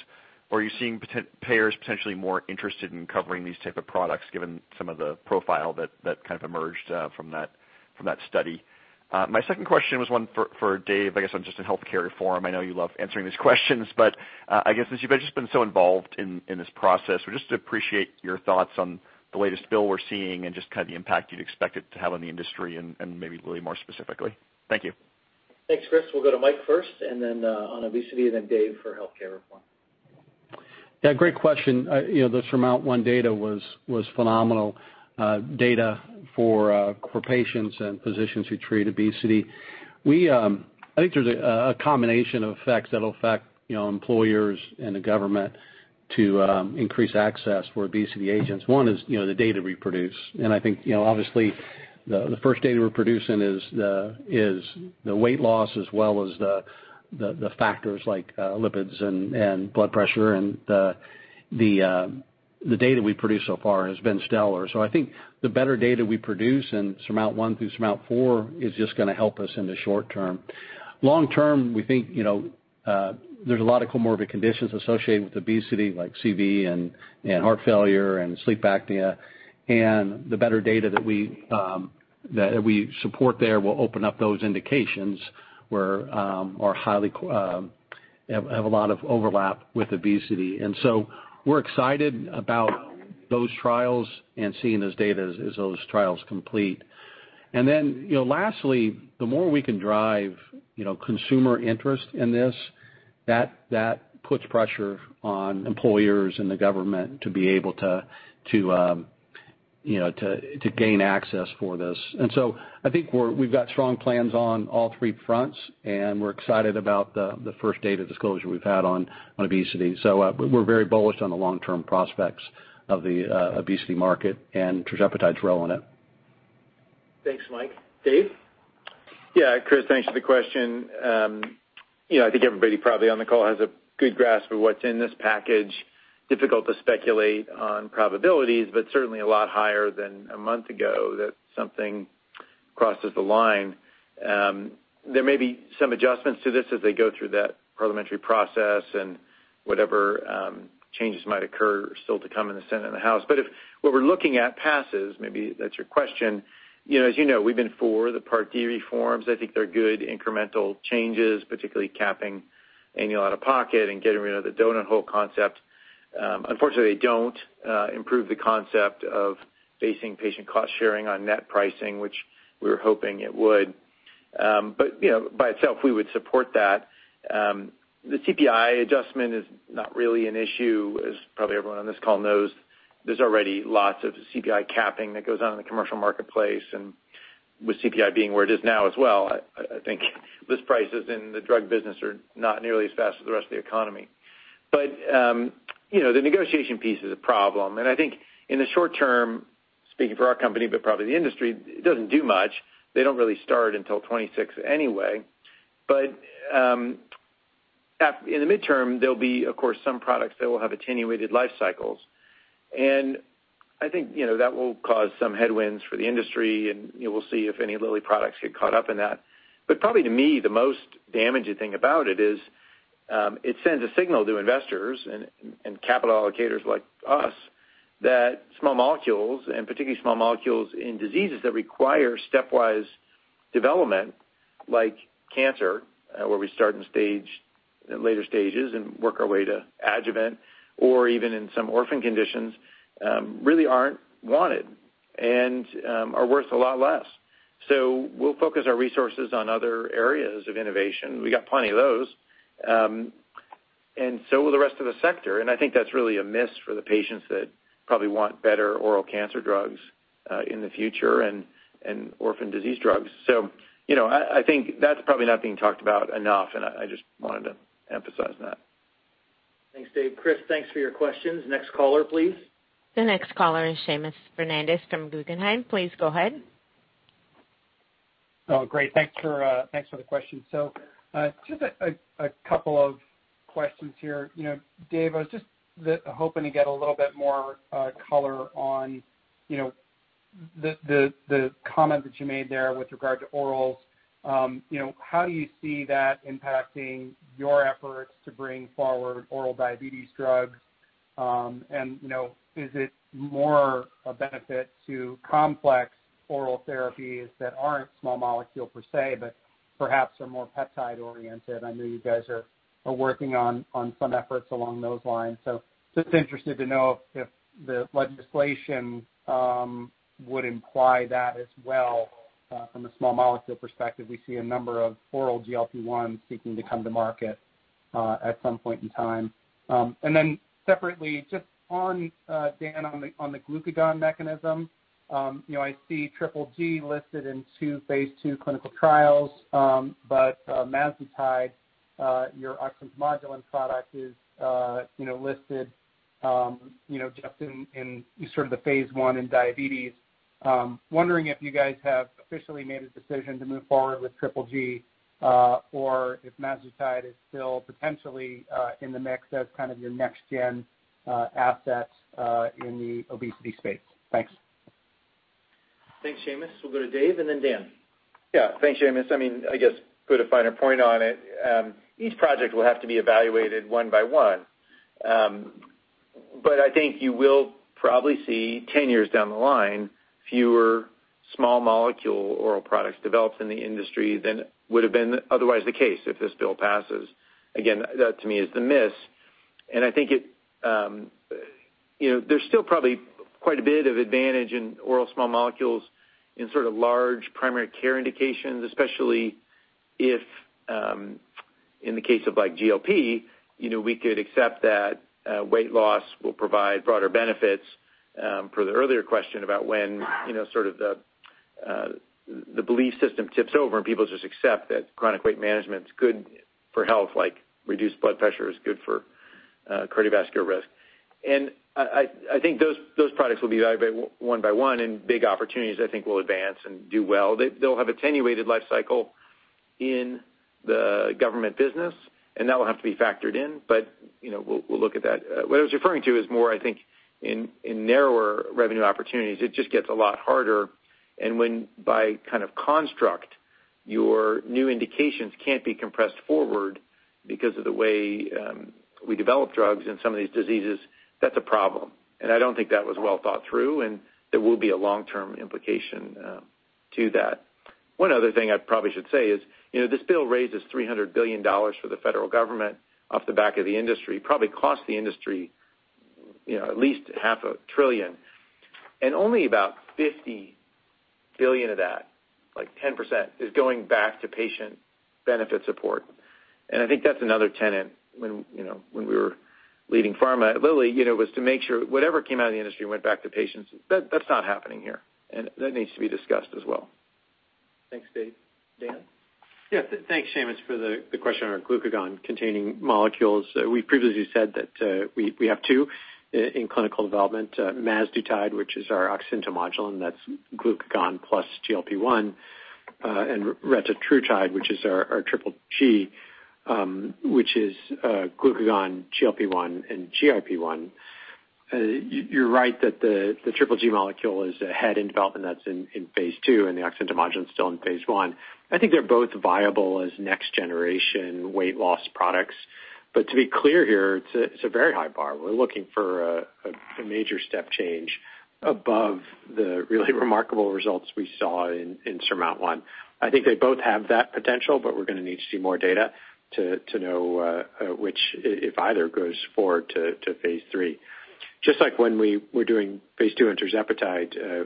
Or are you seeing payers potentially more interested in covering these type of products given some of the profile that kind of emerged from that study? My second question was one for Dave, I guess, on just healthcare reform. I know you love answering these questions, but I guess since you've just been so involved in this process, we just appreciate your thoughts on the latest bill we're seeing and just kind of the impact you'd expect it to have on the industry and maybe Lilly more specifically. Thank you. Thanks, Chris. We'll go to Mike first, and then on obesity and then Dave for healthcare reform. Yeah, great question. You know, the SURMOUNT-1 data was phenomenal data for patients and physicians who treat obesity. I think there's a combination of effects that'll affect you know, employers and the government to increase access for obesity agents. One is you know, the data we produce. I think you know, obviously the first data we're producing is the weight loss as well as the factors like lipids and blood pressure. The data we produce so far has been stellar. I think the better data we produce in SURMOUNT-1 through SURMOUNT-4 is just gonna help us in the short term. Long term, we think you know, there's a lot of comorbid conditions associated with obesity like CV and heart failure and sleep apnea. The better data that we support there will open up those indications where have a lot of overlap with obesity. We're excited about those trials and seeing those data as those trials complete. You know, lastly, the more we can drive, you know, consumer interest in this, that puts pressure on employers and the government to be able to, you know, to gain access for this. I think we've got strong plans on all three fronts, and we're excited about the first data disclosure we've had on obesity. We're very bullish on the long-term prospects of the obesity market and tirzepatide's role in it. Thanks, Mike. Dave? Yeah. Chris, thanks for the question. You know, I think everybody probably on the call has a good grasp of what's in this package. Difficult to speculate on probabilities, but certainly a lot higher than a month ago that something crosses the line. There may be some adjustments to this as they go through that parliamentary process and whatever changes might occur are still to come in the Senate and the House. If what we're looking at passes, maybe that's your question. You know, as you know, we've been for the Part D reforms. I think they're good incremental changes, particularly capping annual out-of-pocket and getting rid of the donut hole concept. Unfortunately, they don't improve the concept of basing patient cost sharing on net pricing, which we were hoping it would. You know, by itself, we would support that. The CPI adjustment is not really an issue, as probably everyone on this call knows. There's already lots of CPI capping that goes on in the commercial marketplace. With CPI being where it is now as well, I think list prices in the drug business are not nearly as fast as the rest of the economy. But you know, the negotiation piece is a problem. I think in the short term, speaking for our company, but probably the industry, it doesn't do much. They don't really start until 2026 anyway. in the midterm, there'll be, of course, some products that will have attenuated life cycles. I think, you know, that will cause some headwinds for the industry, and, you know, we'll see if any Lilly products get caught up in that. Probably to me, the most damaging thing about it is, it sends a signal to investors and capital allocators like us that small molecules, and particularly small molecules in diseases that require stepwise development, like cancer, where we start in later stages and work our way to adjuvant, or even in some orphan conditions, really aren't wanted and are worth a lot less. We'll focus our resources on other areas of innovation. We got plenty of those, and so will the rest of the sector. I think that's really a miss for the patients that probably want better oral cancer drugs in the future and orphan disease drugs. You know, I think that's probably not being talked about enough, and I just wanted to emphasize that. Thanks, Dave. Chris, thanks for your questions. Next caller, please. The next caller is Seamus Fernandez from Guggenheim. Please go ahead. Oh, great. Thanks for the question. Just a couple of questions here. You know, Dave, I was just hoping to get a little bit more color on, you know, the comment that you made there with regard to orals. You know, how do you see that impacting your efforts to bring forward oral diabetes drugs? And, you know, is it more a benefit to complex oral therapies that aren't small molecule per se, but perhaps are more peptide-oriented? I know you guys are working on some efforts along those lines. Just interested to know if the legislation would imply that as well. From a small molecule perspective, we see a number of oral GLP-1s seeking to come to market at some point in time. Separately, just on Dan, on the glucagon mechanism, you know, I see GGG listed in two phase II clinical trials. But mazdutide, your oxyntomodulin product is, you know, listed, you know, just in sort of the phase I in diabetes. Wondering if you guys have officially made a decision to move forward with GGG, or if mazdutide is still potentially in the mix as kind of your next gen asset in the obesity space. Thanks. Thanks, Seamus. We'll go to Dave and then Dan. Yeah. Thanks, Seamus. I mean, I guess put a finer point on it. Each project will have to be evaluated one by one. But I think you will probably see 10 years down the line, fewer small molecule oral products developed in the industry than would've been otherwise the case if this bill passes. Again, that to me is the miss. I think you know, there's still probably quite a bit of advantage in oral small molecules in sort of large primary care indications, especially if, in the case of like GLP, you know, we could accept that, weight loss will provide broader benefits, per the earlier question about when, you know, sort of the belief system tips over and people just accept that chronic weight management is good for health, like reduced blood pressure is good for cardiovascular risk. I think those products will be evaluated one by one, and big opportunities I think will advance and do well. They'll have attenuated life cycle in the government business, and that will have to be factored in. You know, we'll look at that. What I was referring to is more, I think, in narrower revenue opportunities, it just gets a lot harder. When by kind of construct, your new indications can't be compressed forward because of the way we develop drugs in some of these diseases, that's a problem. I don't think that was well thought through, and there will be a long-term implication to that. One other thing I probably should say is, you know, this bill raises $300 billion for the federal government off the back of the industry. Probably costs the industry, you know, at least 0.5 Trillion. Only about $50 billion of that, like 10%, is going back to patient benefit support. I think that's another tenet when, you know, when we were leading pharma at Lilly, you know, was to make sure whatever came out of the industry went back to patients. That's not happening here, and that needs to be discussed as well. Thanks, Dave. Dan? Yeah. Thanks, Seamus, for the question on our glucagon-containing molecules. We've previously said that we have two in clinical development. Mazdutide, which is our oxymodulin, that's glucagon plus GLP-1, and retatrutide, which is our GGG, which is glucagon, GLP-1 and GIP. You're right that the GGG molecule is ahead in development. That's in phase II, and the oxymodulin is still in phase I. I think they're both viable as next generation weight loss products. To be clear here, it's a very high bar. We're looking for a major step change above the really remarkable results we saw in SURMOUNT-1. I think they both have that potential, but we're gonna need to see more data to know which if either goes forward to phase III. Just like when we were doing phase two in tirzepatide,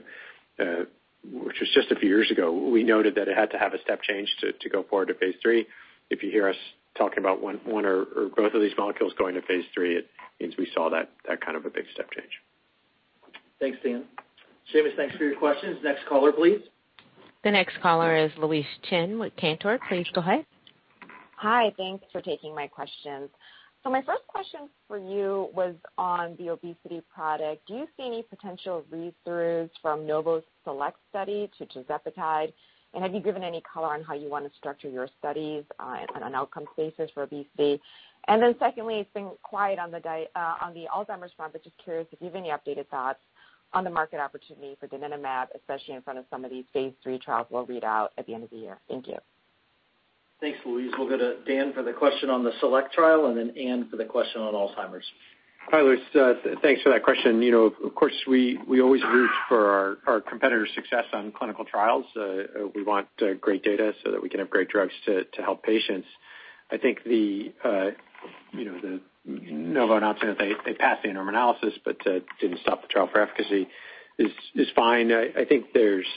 which was just a few years ago, we noted that it had to have a step change to go forward to phase three. If you hear us talking about one or both of these molecules going to phase three, it means we saw that kind of a big step change. Thanks, Dan. Seamus, thanks for your questions. Next caller, please. The next caller is Louise Chen with Cantor. Please go ahead. Hi. Thanks for taking my questions. My first question for you was on the obesity product. Do you see any potential read-throughs from Novo's SELECT study to tirzepatide? Have you given any color on how you want to structure your studies on an outcome basis for obesity? Secondly, it's been quiet on the Alzheimer's front. Just curious if you have any updated thoughts on the market opportunity for donanemab, especially in front of some of these phase III trials will read out at the end of the year. Thank you. Thanks, Louise. We'll go to Dan for the question on the SELECT trial, and then Anne for the question on Alzheimer's. Hi, Louise. Thanks for that question. You know, of course, we always root for our competitors' success on clinical trials. We want great data so that we can have great drugs to help patients. I think the, you know, the Novo announcement, they passed the interim analysis, but didn't stop the trial for efficacy is fine. I think there's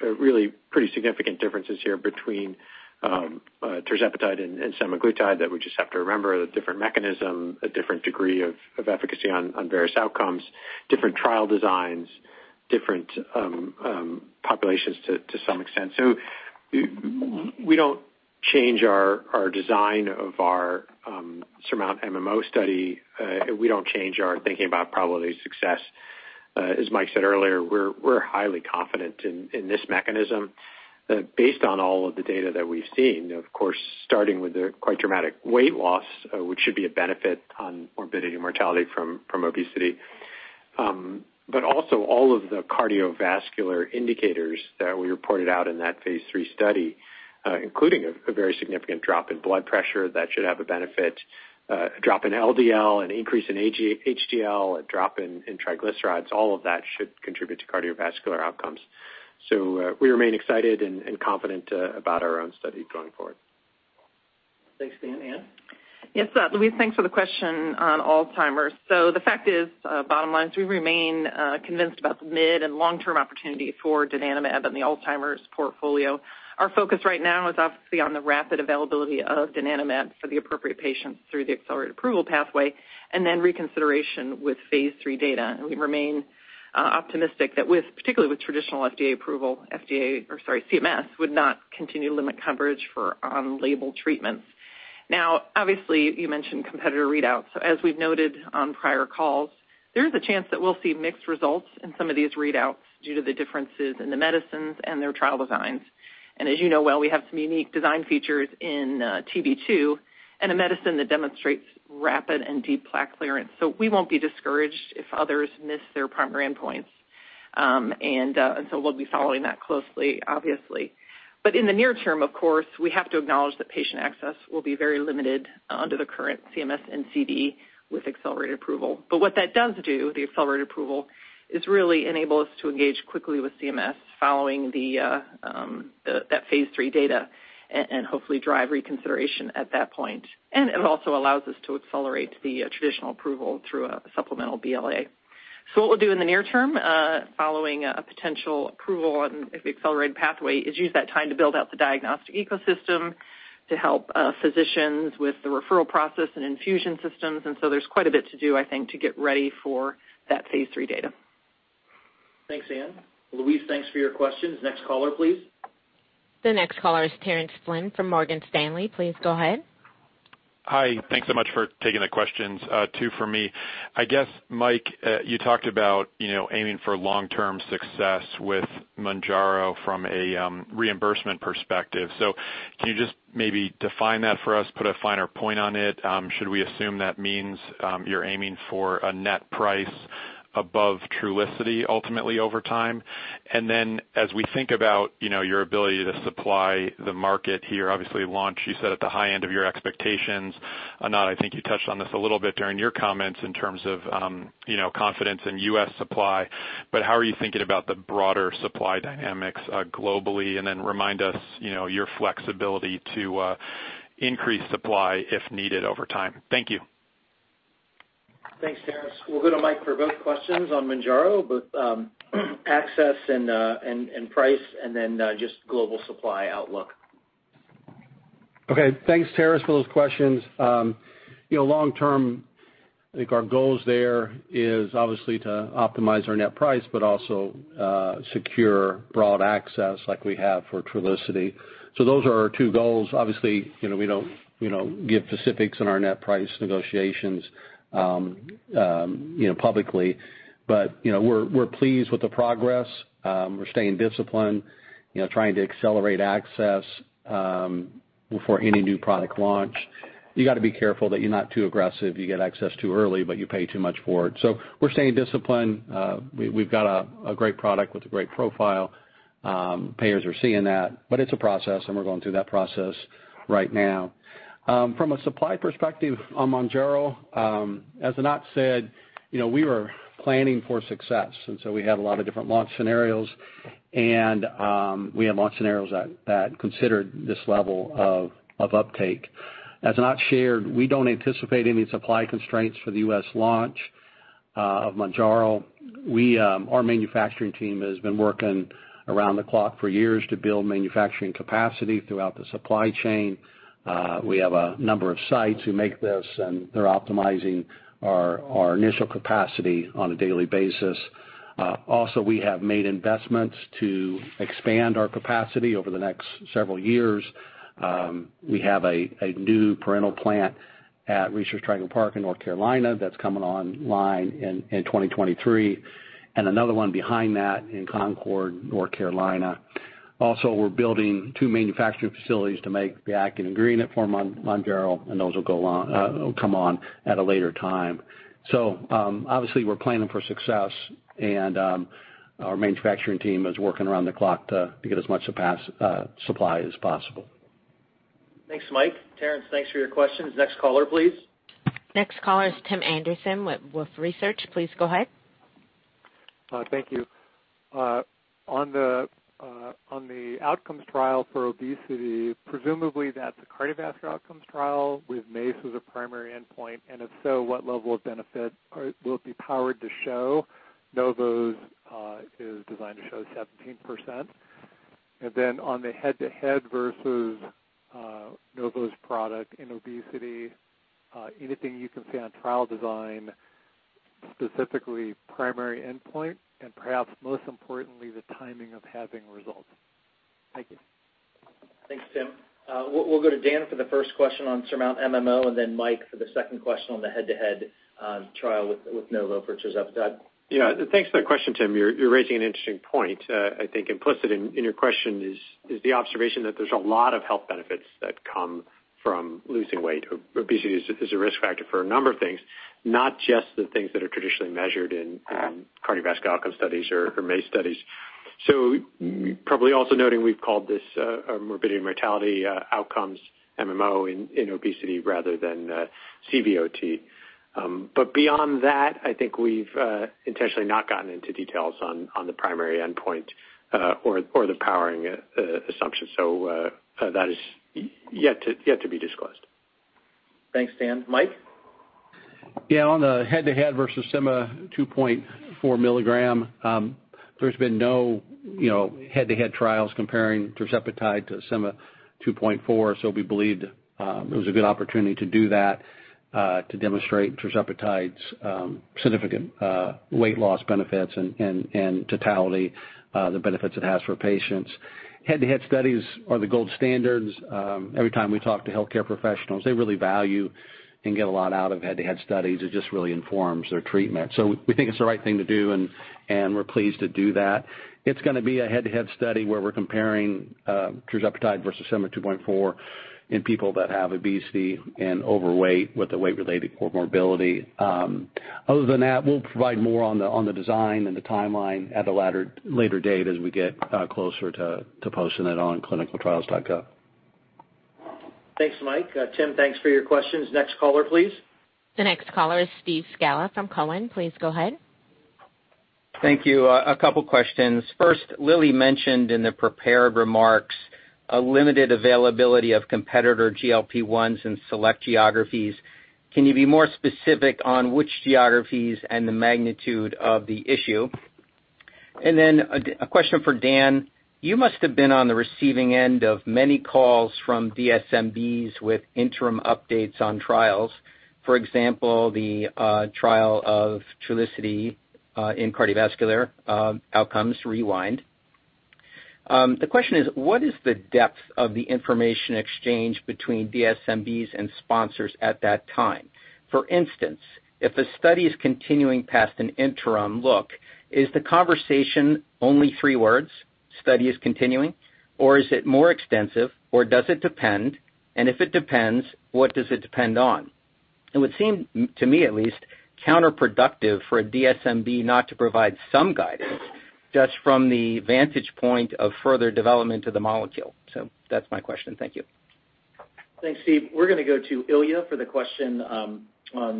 really pretty significant differences here between tirzepatide and semaglutide that we just have to remember. A different mechanism, a different degree of efficacy on various outcomes, different trial designs, different populations to some extent. We don't change our design of our SURMOUNT-MMO study. We don't change our thinking about probability of success. As Mike said earlier, we're highly confident in this mechanism based on all of the data that we've seen. Of course, starting with the quite dramatic weight loss, which should be a benefit on morbidity and mortality from obesity. Also all of the cardiovascular indicators that we reported out in that phase III study, including a very significant drop in blood pressure that should have a benefit, a drop in LDL, an increase in HDL, a drop in triglycerides. All of that should contribute to cardiovascular outcomes. We remain excited and confident about our own study going forward. Thanks, Dan. Anne? Yes. Louise, thanks for the question on Alzheimer's. The fact is, bottom line is we remain convinced about the mid and long-term opportunity for donanemab in the Alzheimer's portfolio. Our focus right now is obviously on the rapid availability of donanemab for the appropriate patients through the accelerated approval pathway, and then reconsideration with phase III data. We remain optimistic that with, particularly with traditional FDA approval, or sorry, CMS would not continue to limit coverage for on-label treatments. Now, obviously, you mentioned competitor readouts. As we've noted on prior calls, there is a chance that we'll see mixed results in some of these readouts due to the differences in the medicines and their trial designs. As you know well, we have some unique design features in TB-2 and a medicine that demonstrates rapid and deep plaque clearance. We won't be discouraged if others miss their primary endpoints. We'll be following that closely, obviously. In the near term, of course, we have to acknowledge that patient access will be very limited under the current CMS NCD with accelerated approval. What that does do, the accelerated approval, is really enable us to engage quickly with CMS following that phase III data and hopefully drive reconsideration at that point. It also allows us to accelerate the traditional approval through a supplemental BLA. What we'll do in the near term, following a potential approval on the accelerated pathway, is use that time to build out the diagnostic ecosystem to help physicians with the referral process and infusion systems. There's quite a bit to do, I think, to get ready for that phase III data. Thanks, Anne. Louise, thanks for your questions. Next caller, please. The next caller is Terence Flynn from Morgan Stanley. Please go ahead. Hi. Thanks so much for taking the questions. Two for me. I guess, Mike, you talked about, you know, aiming for long-term success with Mounjaro from a reimbursement perspective. Can you just maybe define that for us, put a finer point on it? Should we assume that means you're aiming for a net price above Trulicity ultimately over time? As we think about, you know, your ability to supply the market here, obviously launch, you said at the high end of your expectations. Anat, I think you touched on this a little bit during your comments in terms of, you know, confidence in U.S. supply. How are you thinking about the broader supply dynamics globally? Remind us, you know, your flexibility to increase supply if needed over time. Thank you. Thanks, Terence. We'll go to Mike for both questions on Mounjaro, both access and price and then just global supply outlook. Okay. Thanks, Terence, for those questions. You know, long term, I think our goals there is obviously to optimize our net price, but also, secure broad access like we have for Trulicity. Those are our two goals. Obviously, you know, we don't, you know, give specifics on our net price negotiations, you know, publicly. You know, we're pleased with the progress. We're staying disciplined, you know, trying to accelerate access, before any new product launch. You gotta be careful that you're not too aggressive. You get access too early, but you pay too much for it. We're staying disciplined. We've got a great product with a great profile. Payers are seeing that, but it's a process, and we're going through that process right now. From a supply perspective on Mounjaro, as Anat said, you know, we were planning for success, and so we had a lot of different launch scenarios, and we had launch scenarios that considered this level of uptake. As Anat shared, we don't anticipate any supply constraints for the U.S. launch. Of Mounjaro. Our manufacturing team has been working around the clock for years to build manufacturing capacity throughout the supply chain. We have a number of sites who make this, and they're optimizing our initial capacity on a daily basis. Also, we have made investments to expand our capacity over the next several years. We have a new parenteral plant at Research Triangle Park in North Carolina that's coming online in 2023, and another one behind that in Concord, North Carolina. Also, we're building two manufacturing facilities to make the active ingredient for Mounjaro, and those will come on at a later time. Obviously, we're planning for success and our manufacturing team is working around the clock to get as much supply as possible. Thanks, Mike. Terence, thanks for your questions. Next caller, please. Next caller is Tim Anderson with Wolfe Research. Please go ahead. Thank you. On the outcomes trial for obesity, presumably that's a cardiovascular outcomes trial with MACE as a primary endpoint. If so, what level of benefit will it be powered to show? Novo's is designed to show 17%. On the head-to-head versus Novo's product in obesity, anything you can say on trial design, specifically primary endpoint and perhaps most importantly, the timing of having results? Thank you. Thanks, Tim. We'll go to Dan for the first question on SURMOUNT-MMO and then Mike for the second question on the head-to-head trial with Novo for tirzepatide. Yeah. Thanks for that question, Tim. You're raising an interesting point. I think implicit in your question is the observation that there's a lot of health benefits that come from losing weight. Obesity is a risk factor for a number of things, not just the things that are traditionally measured in cardiovascular outcome studies or MACE studies. Probably also noting we've called this a morbidity and mortality outcomes, MMO in obesity rather than CVOT. But beyond that, I think we've intentionally not gotten into details on the primary endpoint or the powering assumption. That is yet to be disclosed. Thanks, Dan. Mike? Yeah. On the head-to-head versus sema 2.4 mg, there's been no, you know, head-to-head trials comparing tirzepatide to sema 2.4. We believed it was a good opportunity to do that to demonstrate tirzepatide's significant weight loss benefits and totality the benefits it has for patients. Head-to-head studies are the gold standards. Every time we talk to healthcare professionals, they really value and get a lot out of head-to-head studies. It just really informs their treatment. We think it's the right thing to do, and we're pleased to do that. It's gonna be a head-to-head study where we're comparing tirzepatide versus sema 2.4 in people that have obesity and overweight with a weight-related comorbidity. Other than that, we'll provide more on the design and the timeline at a later date as we get closer to posting it on ClinicalTrials.gov. Thanks, Mike. Tim, thanks for your questions. Next caller, please. The next caller is Steve Scala from Cowen. Please go ahead. Thank you. A couple questions. First, Lilly mentioned in the prepared remarks a limited availability of competitor GLP-1s in select geographies. Can you be more specific on which geographies and the magnitude of the issue? And then a question for Dan. You must have been on the receiving end of many calls from DSMBs with interim updates on trials, for example, the trial of Trulicity in cardiovascular outcomes, REWIND. The question is: What is the depth of the information exchange between DSMBs and sponsors at that time? For instance, if a study is continuing past an interim look, is the conversation only three words, study is continuing, or is it more extensive, or does it depend? And if it depends, what does it depend on? It would seem, to me at least, counterproductive for a DSMB not to provide some guidance just from the vantage point of further development of the molecule. That's my question. Thank you. Thanks, Steve. We're gonna go to Ilya for the question on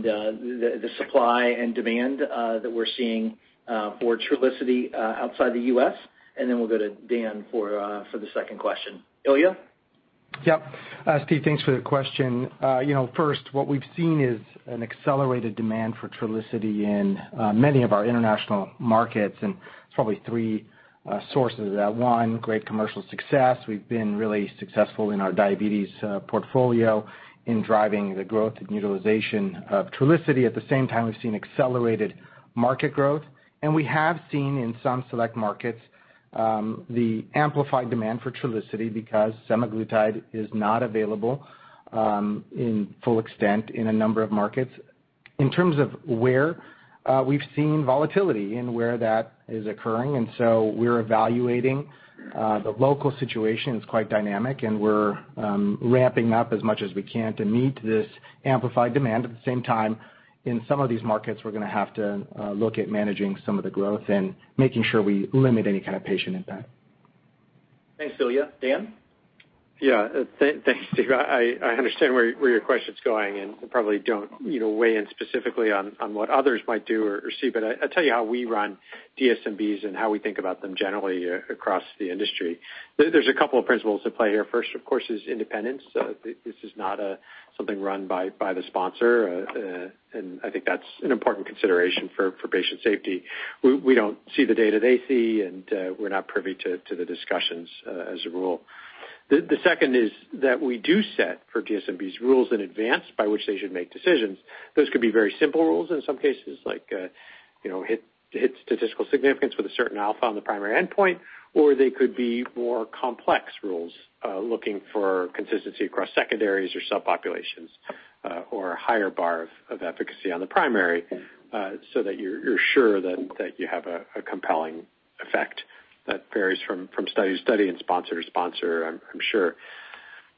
the supply and demand that we're seeing for Trulicity outside the U.S., and then we'll go to Dan for the second question. Ilya? Yep. Steve, thanks for the question. You know, first, what we've seen is an accelerated demand for Trulicity in many of our international markets, and it's probably three sources of that. One, great commercial success. We've been really successful in our diabetes portfolio in driving the growth and utilization of Trulicity. At the same time, we've seen accelerated market growth, and we have seen in some select markets the amplified demand for Trulicity because semaglutide is not available in full extent in a number of markets. In terms of where we've seen volatility in where that is occurring, and so we're evaluating the local situation. It's quite dynamic, and we're ramping up as much as we can to meet this amplified demand. At the same time, in some of these markets, we're gonna have to look at managing some of the growth and making sure we limit any kind of patient impact. Thanks, Ilya. Dan? Thanks, Steve. I understand where your question's going, and probably don't, you know, weigh in specifically on what others might do or see, but I'll tell you how we run DSMBs and how we think about them generally across the industry. There's a couple of principles at play here. First, of course, is independence. This is not something run by the sponsor. And I think that's an important consideration for patient safety. We don't see the data they see, and we're not privy to the discussions as a rule. The second is that we do set for DSMBs rules in advance by which they should make decisions. Those could be very simple rules in some cases, like, you know, hit statistical significance with a certain alpha on the primary endpoint, or they could be more complex rules, looking for consistency across secondaries or subpopulations, or a higher bar of efficacy on the primary, so that you're sure that you have a compelling effect. That varies from study to study and sponsor to sponsor, I'm sure.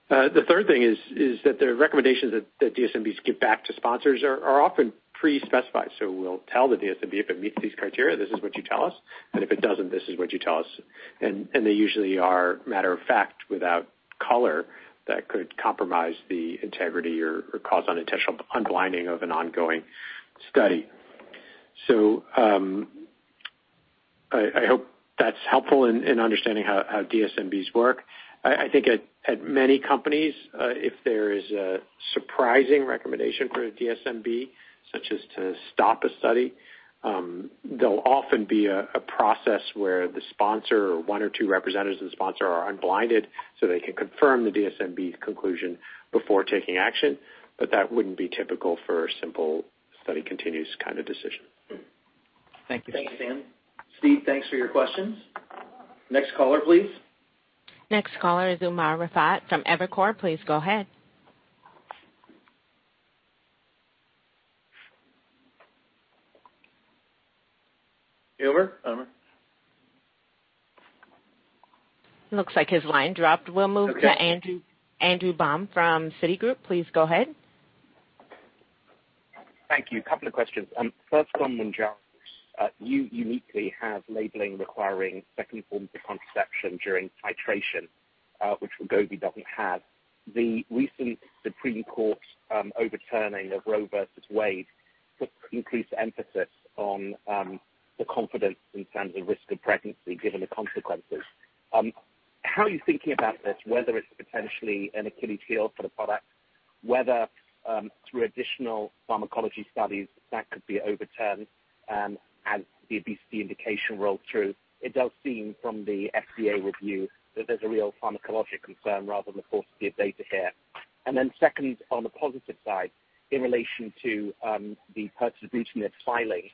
The third thing is that the recommendations that DSMBs give back to sponsors are often pre-specified. We'll tell the DSMB, "If it meets these criteria, this is what you tell us. And if it doesn't, this is what you tell us." They usually are matter-of-fact without color that could compromise the integrity or cause unintentional unblinding of an ongoing study. I hope that's helpful in understanding how DSMBs work. I think at many companies, if there is a surprising recommendation for a DSMB, such as to stop a study, there'll often be a process where the sponsor or one or two representatives of the sponsor are unblinded so they can confirm the DSMB's conclusion before taking action, but that wouldn't be typical for a simple study continues kind of decision. Thank you. Thanks, Dan. Steve, thanks for your questions. Next caller, please. Next caller is Umer Raffat from Evercore. Please go ahead. Umer? Umer? Looks like his line dropped. Okay. We'll move to Andrew Baum from Citigroup. Please go ahead. Thank you. A couple of questions. First one, Mounjaro. You uniquely have labeling requiring second form of contraception during titration, which Wegovy doesn't have. The recent Supreme Court overturning of Roe v. Wade put increased emphasis on the confidence in terms of risk of pregnancy given the consequences. How are you thinking about this, whether it's potentially an Achilles heel for the product, whether through additional pharmacology studies that could be overturned, as the obesity indication rolls through? It does seem from the FDA review that there's a real pharmacologic concern rather than the paucity of data here. Secondly, on the positive side, in relation to the application they're filing,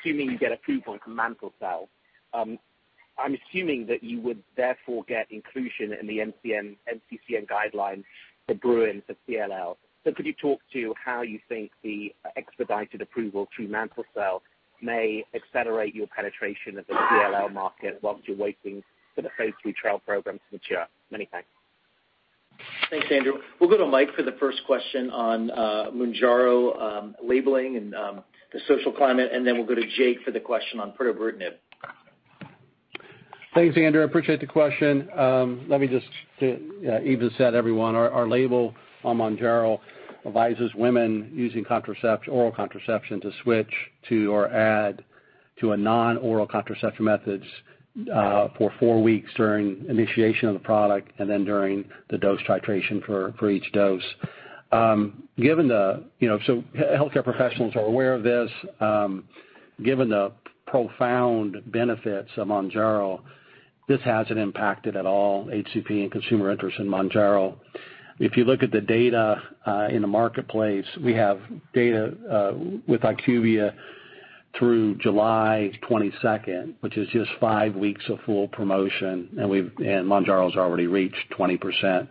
assuming you get approval for mantle cell, I'm assuming that you would therefore get inclusion in the NCCN guidelines for pirtobrutinib for CLL. Could you talk to how you think the expedited approval through mantle cell may accelerate your penetration of the CLL market while you're waiting for the phase III trial program to mature? Many thanks. Thanks, Andrew. We'll go to Mike for the first question on Mounjaro, labeling and the social climate, and then we'll go to Jake for the question on pirtobrutinib. Thanks, Andrew. I appreciate the question. Let me just to even set everyone. Our label on Mounjaro advises women using oral contraception to switch to or add to a non-oral contraception methods for four weeks during initiation of the product and then during the dose titration for each dose. You know, so healthcare professionals are aware of this. Given the profound benefits of Mounjaro, this hasn't impacted at all HCP and consumer interest in Mounjaro. If you look at the data in the marketplace, we have data with IQVIA through July 22, which is just five weeks of full promotion, and Mounjaro's already reached 20%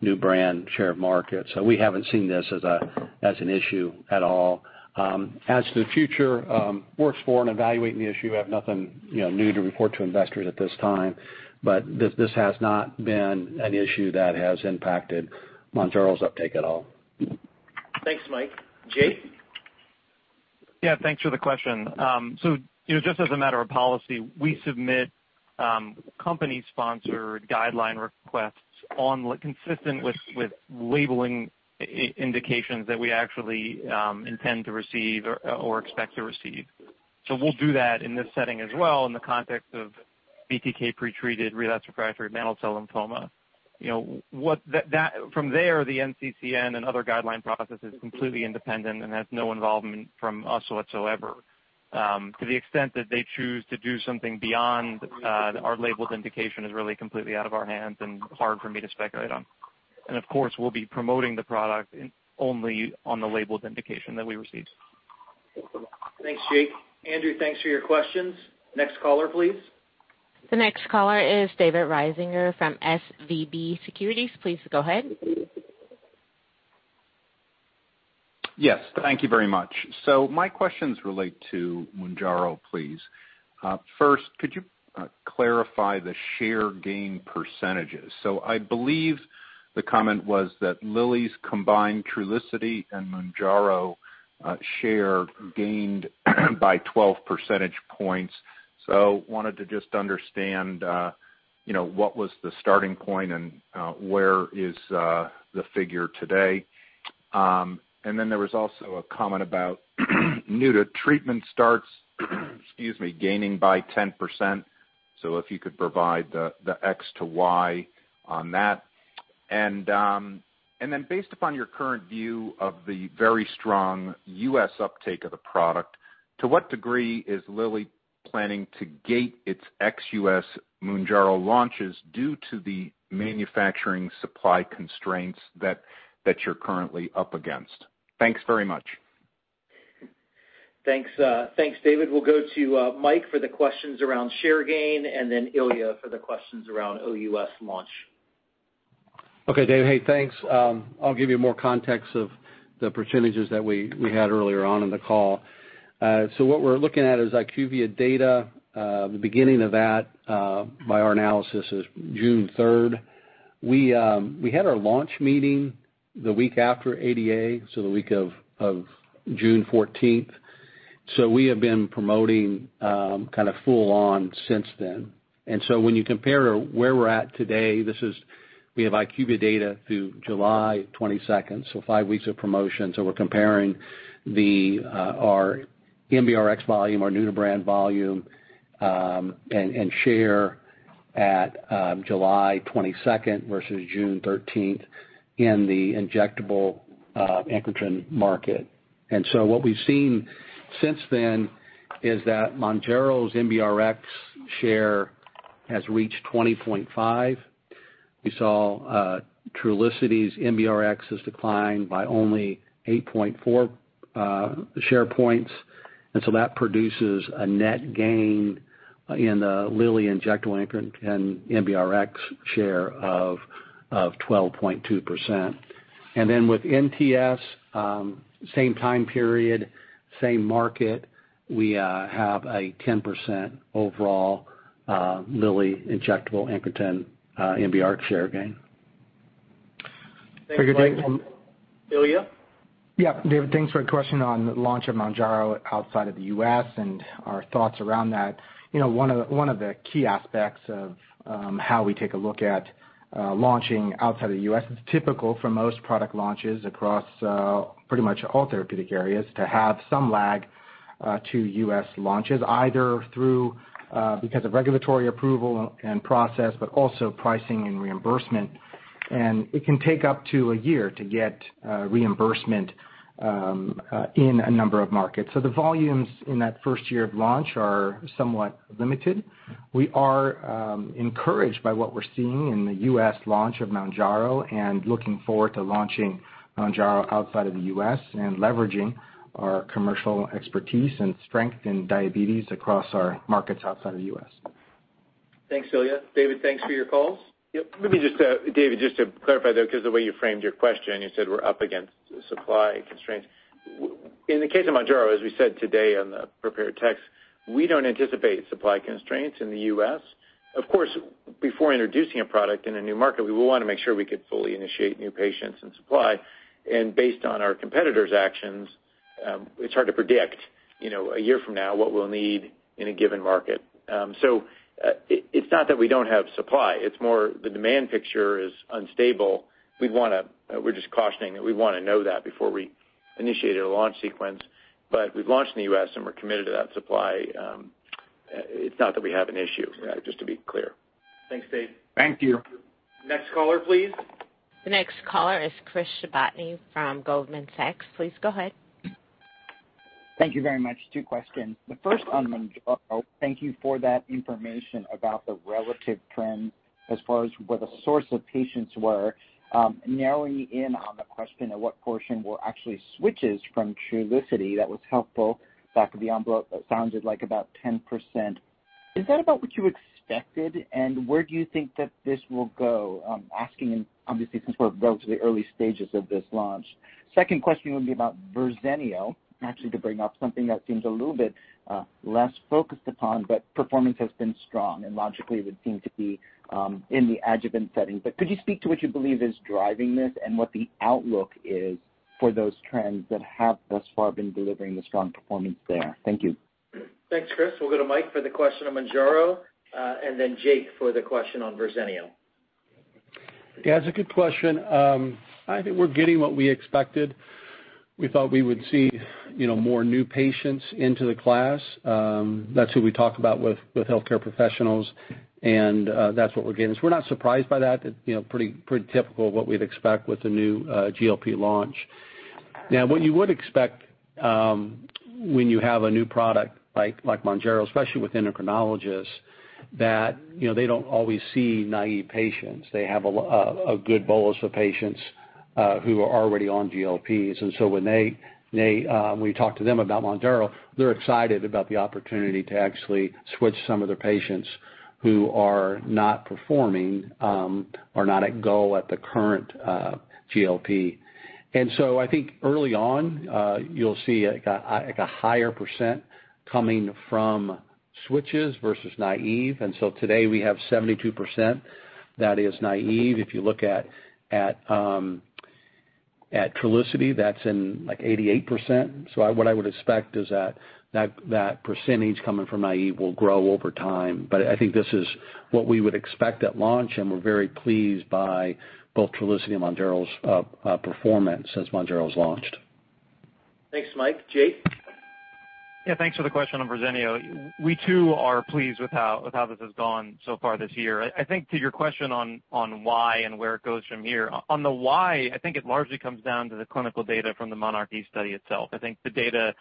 new brand share of market. We haven't seen this as an issue at all. As to the future, we're working on and evaluating the issue, we have nothing, you know, new to report to investors at this time, but this has not been an issue that has impacted Mounjaro's uptake at all. Thanks, Mike. Jake? Yeah, thanks for the question. You know, just as a matter of policy, we submit company-sponsored guideline requests only consistent with labeling indications that we actually intend to receive or expect to receive. We'll do that in this setting as well in the context of BTK pretreated relapsed refractory mantle cell lymphoma. You know, from there, the NCCN and other guideline process is completely independent and has no involvement from us whatsoever. To the extent that they choose to do something beyond our labeled indication is really completely out of our hands and hard for me to speculate on. Of course, we'll be promoting the product only on the labeled indication that we received. Thanks, Jake. Andrew, thanks for your questions. Next caller, please. The next caller is David Risinger from SVB Securities. Please go ahead. Yes. Thank you very much. My questions relate to Mounjaro, please. First, could you clarify the share gain percentages? I believe the comment was that Lilly's combined Trulicity and Mounjaro share gained by 12 percentage points. Wanted to just understand, you know, what was the starting point and where is the figure today? There was also a comment about new to treatment starts, excuse me, gaining by 10%. If you could provide the X to Y on that. Based upon your current view of the very strong U.S. uptake of the product, to what degree is Lilly planning to gate its ex-U.S. Mounjaro launches due to the manufacturing supply constraints that you're currently up against? Thanks very much. Thanks. Thanks, David. We'll go to Mike for the questions around share gain and then Ilya for the questions around OUS launch. Okay, Dave. Hey, thanks. I'll give you more context of the percentages that we had earlier on in the call. What we're looking at is IQVIA data. The beginning of that, by our analysis, is June 3rd. We had our launch meeting the week after ADA, so the week of June 14th. We have been promoting kind of full on since then. When you compare where we're at today, this is. We have IQVIA data through July 22nd, so five weeks of promotion. We're comparing our MBRX volume, our new-to-brand volume, and share at July 22nd versus June 13th in the injectable incretin market. What we've seen since then is that Mounjaro's MBRX share has reached 20.5%. We saw Trulicity's MBRX has declined by only 8.4 share points. That produces a net gain in the Lilly injectable incretin and MBRX share of 12.2%. With NTS, same time period, same market, we have a 10% overall Lilly injectable incretin MBRX share gain. Thanks, Mike. Ilya? Yeah. David, thanks for the question on launch of Mounjaro outside of the U.S. and our thoughts around that. You know, one of the key aspects of how we take a look at launching outside the U.S. is typical for most product launches across pretty much all therapeutic areas to have some lag to U.S. launches, either because of regulatory approval and process, but also pricing and reimbursement. It can take up to a year to get reimbursement in a number of markets. The volumes in that first year of launch are somewhat limited. We are encouraged by what we're seeing in the U.S. launch of Mounjaro and looking forward to launching Mounjaro outside of the U.S. and leveraging our commercial expertise and strength in diabetes across our markets outside of the U.S. Thanks, Ilya. David, thanks for your calls. Yep. Let me just, David, just to clarify, though, 'cause the way you framed your question, you said we're up against supply constraints. In the case of Mounjaro, as we said today on the prepared text, we don't anticipate supply constraints in the U.S. Of course, before introducing a product in a new market, we will wanna make sure we could fully initiate new patients and supply. Based on our competitors' actions, it's hard to predict, you know, a year from now what we'll need in a given market. It's not that we don't have supply, it's more the demand picture is unstable. We're just cautioning that we wanna know that before we initiate a launch sequence. We've launched in the U.S., and we're committed to that supply. It's not that we have an issue, just to be clear. Thanks, Dave. Thank you. Next caller, please. The next caller is Chris Shibutani from Goldman Sachs. Please go ahead. Thank you very much. Two questions. The first on Mounjaro. Thank you for that information about the relative trends as far as where the source of patients were. Narrowing in on the question of what portion were actually switches from Trulicity, that was helpful. Back of the envelope, it sounded like about 10%. Is that about what you expected, and where do you think that this will go? I'm asking and obviously since we're relatively early stages of this launch. Second question would be about Verzenio, actually to bring up something that seems a little bit less focused upon, but performance has been strong and logically would seem to be in the adjuvant setting. But could you speak to what you believe is driving this and what the outlook is for those trends that have thus far been delivering the strong performance there? Thank you. Thanks, Chris. We'll go to Mike for the question on Mounjaro, and then Jake for the question on Verzenio. Yeah, it's a good question. I think we're getting what we expected. We thought we would see, you know, more new patients into the class. That's who we talk about with healthcare professionals, and that's what we're getting. We're not surprised by that. It's, you know, pretty typical of what we'd expect with a new GLP launch. Now, what you would expect, when you have a new product like Mounjaro, especially with endocrinologists, you know, they don't always see naive patients. They have a good bolus of patients who are already on GLPs. When we talk to them about Mounjaro, they're excited about the opportunity to actually switch some of their patients who are not performing or not at goal at the current GLP. I think early on, you'll see like a higher percent coming from switches versus naive. Today we have 72% that is naive. If you look at Trulicity, that's like 88%. What I would expect is that percentage coming from naive will grow over time. I think this is what we would expect at launch, and we're very pleased by both Trulicity and Mounjaro's performance since Mounjaro's launched. Thanks, Mike. Jake? Yeah, thanks for the question on Verzenio. We too are pleased with how this has gone so far this year. I think to your question on why and where it goes from here, on the why, I think it largely comes down to the clinical data from the monarchE study itself. I think the data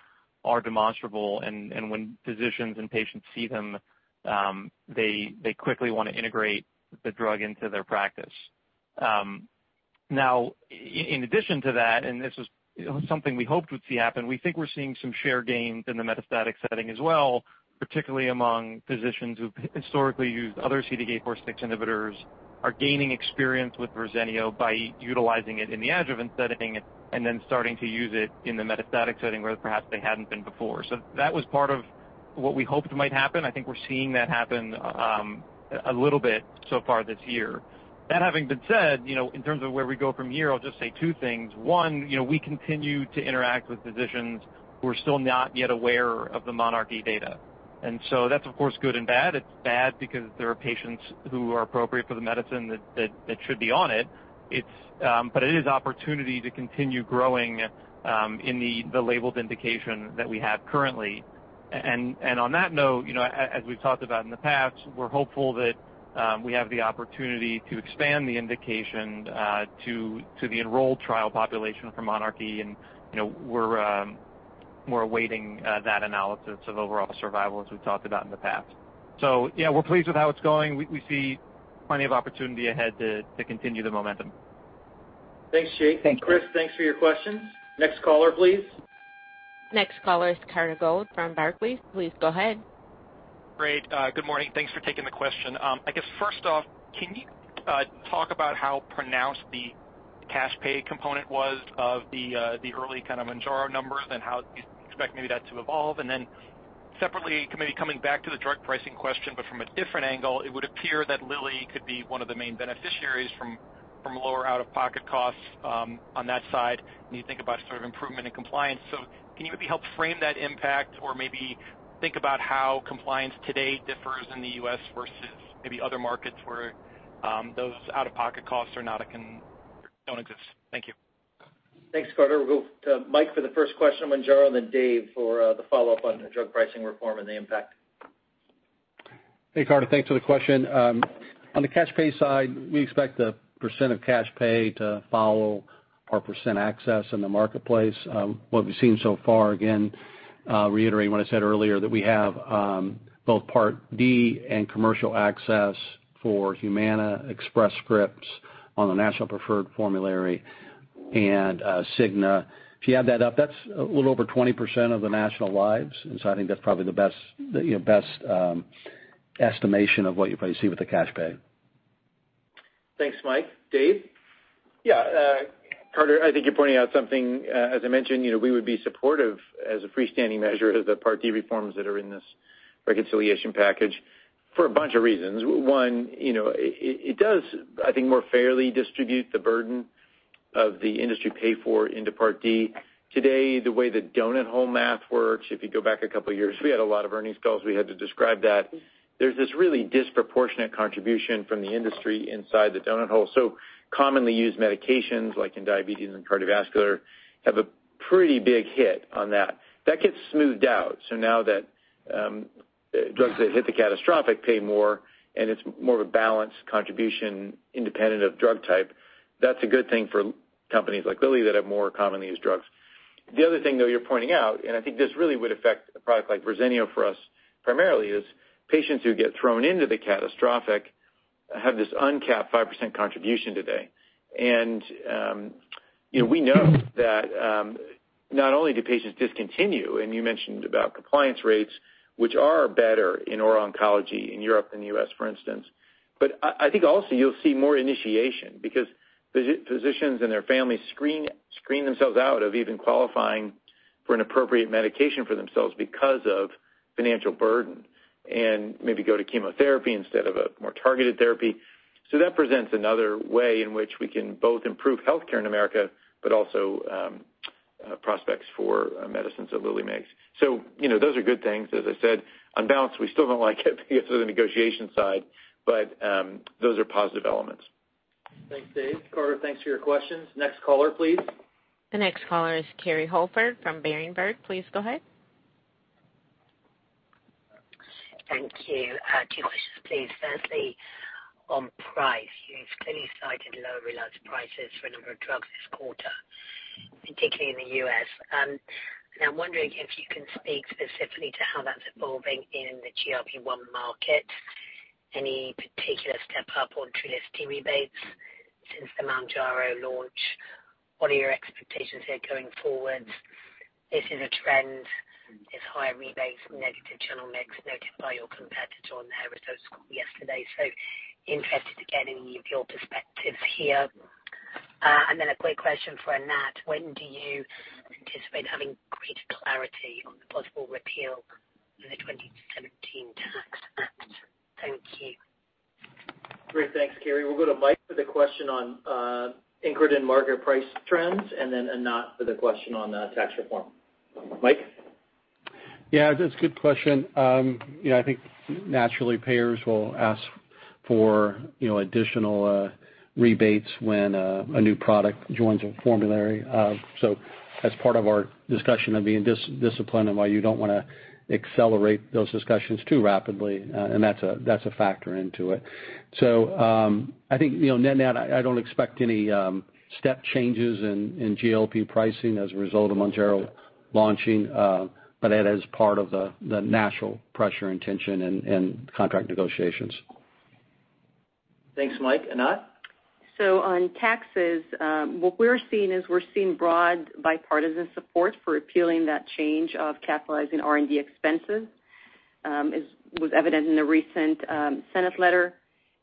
are demonstrable, and when physicians and patients see them, they quickly wanna integrate the drug into their practice. Now in addition to that, and this is, you know, something we hoped would see happen, we think we're seeing some share gains in the metastatic setting as well, particularly among physicians who've historically used other CDK4/6 inhibitors, are gaining experience with Verzenio by utilizing it in the adjuvant setting and then starting to use it in the metastatic setting where perhaps they hadn't been before. That was part of what we hoped might happen. I think we're seeing that happen a little bit so far this year. That having been said, you know, in terms of where we go from here, I'll just say two things. One, you know, we continue to interact with physicians who are still not yet aware of the monarchE data. That's of course good and bad. It's bad because there are patients who are appropriate for the medicine that should be on it. But it is opportunity to continue growing in the labeled indication that we have currently. On that note, you know, as we've talked about in the past, we're hopeful that we have the opportunity to expand the indication to the enrolled trial population for monarchE, and, you know, we're awaiting that analysis of overall survival as we've talked about in the past. Yeah, we're pleased with how it's going. We see plenty of opportunity ahead to continue the momentum. Thanks, Jake. Thank you. Chris, thanks for your questions. Next caller, please. Next caller is Carter Gould from Barclays. Please go ahead. Great. Good morning. Thanks for taking the question. I guess first off, can you talk about how pronounced the cash pay component was of the early kind of Mounjaro numbers and how you expect maybe that to evolve? Separately, maybe coming back to the drug pricing question, but from a different angle, it would appear that Lilly could be one of the main beneficiaries from lower out-of-pocket costs on that side when you think about sort of improvement in compliance. Can you maybe help frame that impact or maybe think about how compliance today differs in the U.S. versus maybe other markets where those out-of-pocket costs don't exist? Thank you. Thanks, Carter. We'll go to Mike for the first question on Mounjaro, and then Dave for the follow-up on drug pricing reform and the impact. Hey, Carter, thanks for the question. On the cash pay side, we expect the percent of cash pay to follow our percent access in the marketplace. What we've seen so far, again, reiterating what I said earlier, that we have both Part D and commercial access for Humana, Express Scripts on the National Preferred Formulary and Cigna. If you add that up, that's a little over 20% of the national lives, and so I think that's probably the best, you know, estimation of what you're gonna see with the cash pay. Thanks, Mike. Dave? Yeah. Carter, I think you're pointing out something, as I mentioned, you know, we would be supportive as a freestanding measure of the Part D reforms that are in this reconciliation package for a bunch of reasons. One, you know, it does, I think, more fairly distribute the burden of the industry pay for into Part D. Today, the way the donut hole math works, if you go back a couple of years, we had a lot of earnings calls, we had to describe that, there's this really disproportionate contribution from the industry inside the donut hole. So commonly used medications like in diabetes and cardiovascular have a pretty big hit on that. That gets smoothed out. Now that drugs that hit the catastrophic pay more, and it's more of a balanced contribution independent of drug type, that's a good thing for companies like Lilly that have more commonly used drugs. The other thing, though, you're pointing out, and I think this really would affect a product like Verzenio for us primarily, is patients who get thrown into the catastrophic have this uncapped 5% contribution today. You know, we know that not only do patients discontinue, and you mentioned about compliance rates, which are better in oral oncology in Europe than the U.S., for instance. I think also you'll see more initiation because physicians and their families screen themselves out of even qualifying for an appropriate medication for themselves because of financial burden, and maybe go to chemotherapy instead of a more targeted therapy. That presents another way in which we can both improve healthcare in America, but also, prospects for, medicines that Lilly makes. You know, those are good things. As I said, on balance, we still don't like it because of the negotiation side, but, those are positive elements. Thanks, Dave. Carter, thanks for your questions. Next caller, please. The next caller is Kerry Holford from Berenberg. Please go ahead. Thank you. Two questions, please. Firstly, on price, you've clearly cited lower realized prices for a number of drugs this quarter, particularly in the U.S. I'm wondering if you can speak specifically to how that's evolving in the GLP-1 market. Any particular step up on Trulicity rebates since the Mounjaro launch? What are your expectations here going forward? This is a trend. It's higher rebates, negative channel mix noted by your competitor on their results call yesterday. Interested to get any of your perspectives here. A quick question for Anat. When do you anticipate having greater clarity on the possible repeal of the 2017 tax act? Thank you. Great. Thanks, Carey. We'll go to Mike for the question on incretin and market price trends, and then Anat for the question on tax reform. Mike? Yeah, that's a good question. You know, I think naturally payers will ask for, you know, additional rebates when a new product joins a formulary. So as part of our discussion of being disciplined and why you don't wanna accelerate those discussions too rapidly, and that's a factor in it. So, I think, you know, net-net, I don't expect any step changes in GLP pricing as a result of Mounjaro launching, but that is part of the natural pressure and tension in contract negotiations. Thanks, Mike. Anat? On taxes, what we're seeing is broad bipartisan support for repealing that change of capitalizing R&D expenses, as was evident in the recent Senate letter.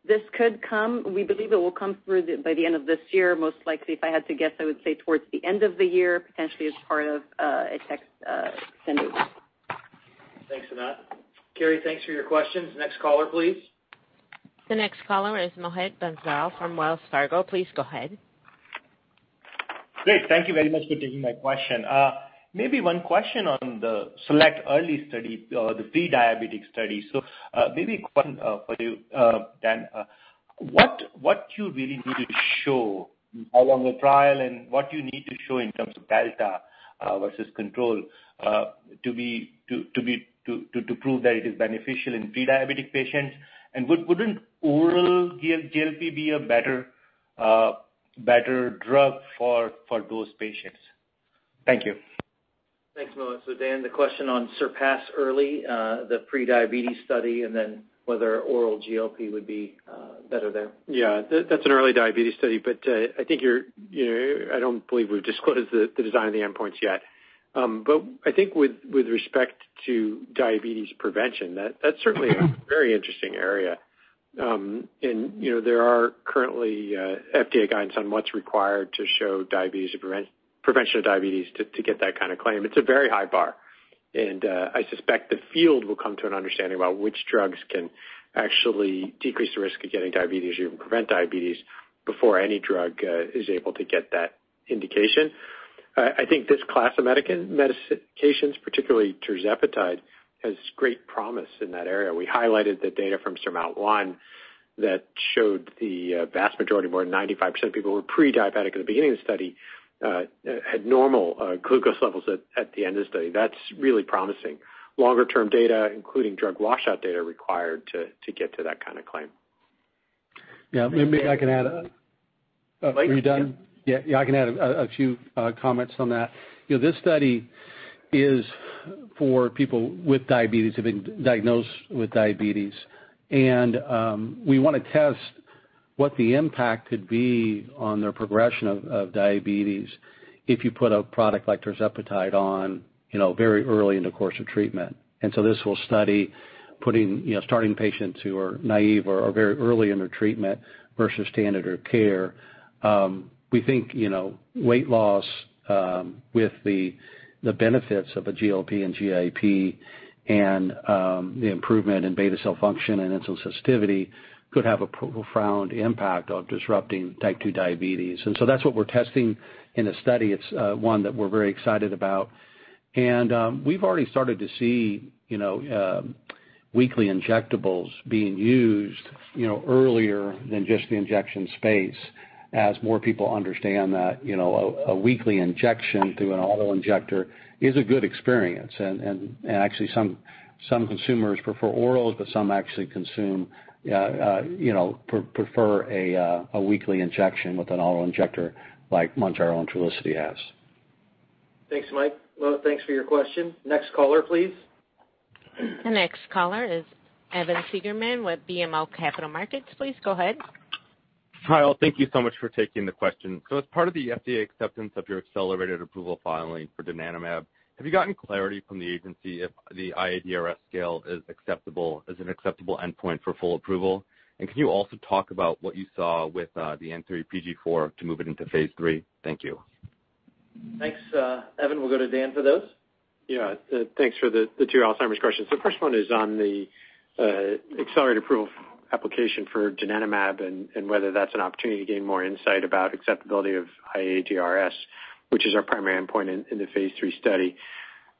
This could come. We believe it will come through by the end of this year. Most likely, if I had to guess, I would say towards the end of the year, potentially as part of a tax incentive. Thanks, Anat. Carey, thanks for your questions. Next caller, please. The next caller is Mohit Bansal from Wells Fargo. Please go ahead. Great. Thank you very much for taking my question. Maybe one question on the SELECT early study, the pre-diabetes study. Maybe a question for you, Dan. What you really need to show along the trial and what you need to show in terms of delta versus control to prove that it is beneficial in pre-diabetic patients? Wouldn't oral GLP be a better drug for those patients? Thank you. Thanks, Mohit. Dan, the question on SURPASS-EARLY, the pre-diabetes study, and then whether oral GLP would be better there. Yeah. That's an early diabetes study, but I think you're, you know, I don't believe we've disclosed the design of the endpoints yet. I think with respect to diabetes prevention, that's certainly a very interesting area. You know, there are currently FDA guidance on what's required to show diabetes prevention of diabetes to get that kind of claim. It's a very high bar, and I suspect the field will come to an understanding about which drugs can actually decrease the risk of getting diabetes or even prevent diabetes before any drug is able to get that indication. I think this class of medications, particularly tirzepatide, has great promise in that area. We highlighted the data from SURMOUNT-1 that showed the vast majority, more than 95% of people who were pre-diabetic at the beginning of the study, had normal glucose levels at the end of the study. That's really promising. Longer-term data, including drug washout data, are required to get to that kind of claim. Yeah. Maybe I can add. Mike? Are you done? Yeah. Yeah, I can add a few comments on that. You know, this study is for people with diabetes, have been diagnosed with diabetes, and we wanna test what the impact could be on their progression of diabetes if you put a product like tirzepatide on, you know, very early in the course of treatment. This will study putting, you know, starting patients who are naive or very early in their treatment versus standard of care. We think, you know, weight loss with the benefits of a GLP and GIP and the improvement in beta cell function and insulin sensitivity could have a profound impact on disrupting type 2 diabetes. That's what we're testing in the study. It's one that we're very excited about. We've already started to see, you know, weekly injectables being used, you know, earlier than just the injection space as more people understand that, you know, a weekly injection through an auto-injector is a good experience. Actually some consumers prefer orals, but some actually come to, you know, prefer a weekly injection with an auto-injector like Mounjaro and Trulicity has. Thanks, Mike. Mohit, thanks for your question. Next caller, please. The next caller is Evan Seigerman with BMO Capital Markets. Please go ahead. Hi, all. Thank you so much for taking the question. As part of the FDA acceptance of your accelerated approval filing for donanemab, have you gotten clarity from the agency if the iADRS scale is acceptable, as an acceptable endpoint for full approval? Can you also talk about what you saw with the N3pG to move it into phase III? Thank you. Thanks, Evan. We'll go to Dan for those. Yeah. Thanks for the two Alzheimer's questions. The first one is on the accelerated approval application for donanemab and whether that's an opportunity to gain more insight about acceptability of iADRS, which is our primary endpoint in the phase III study.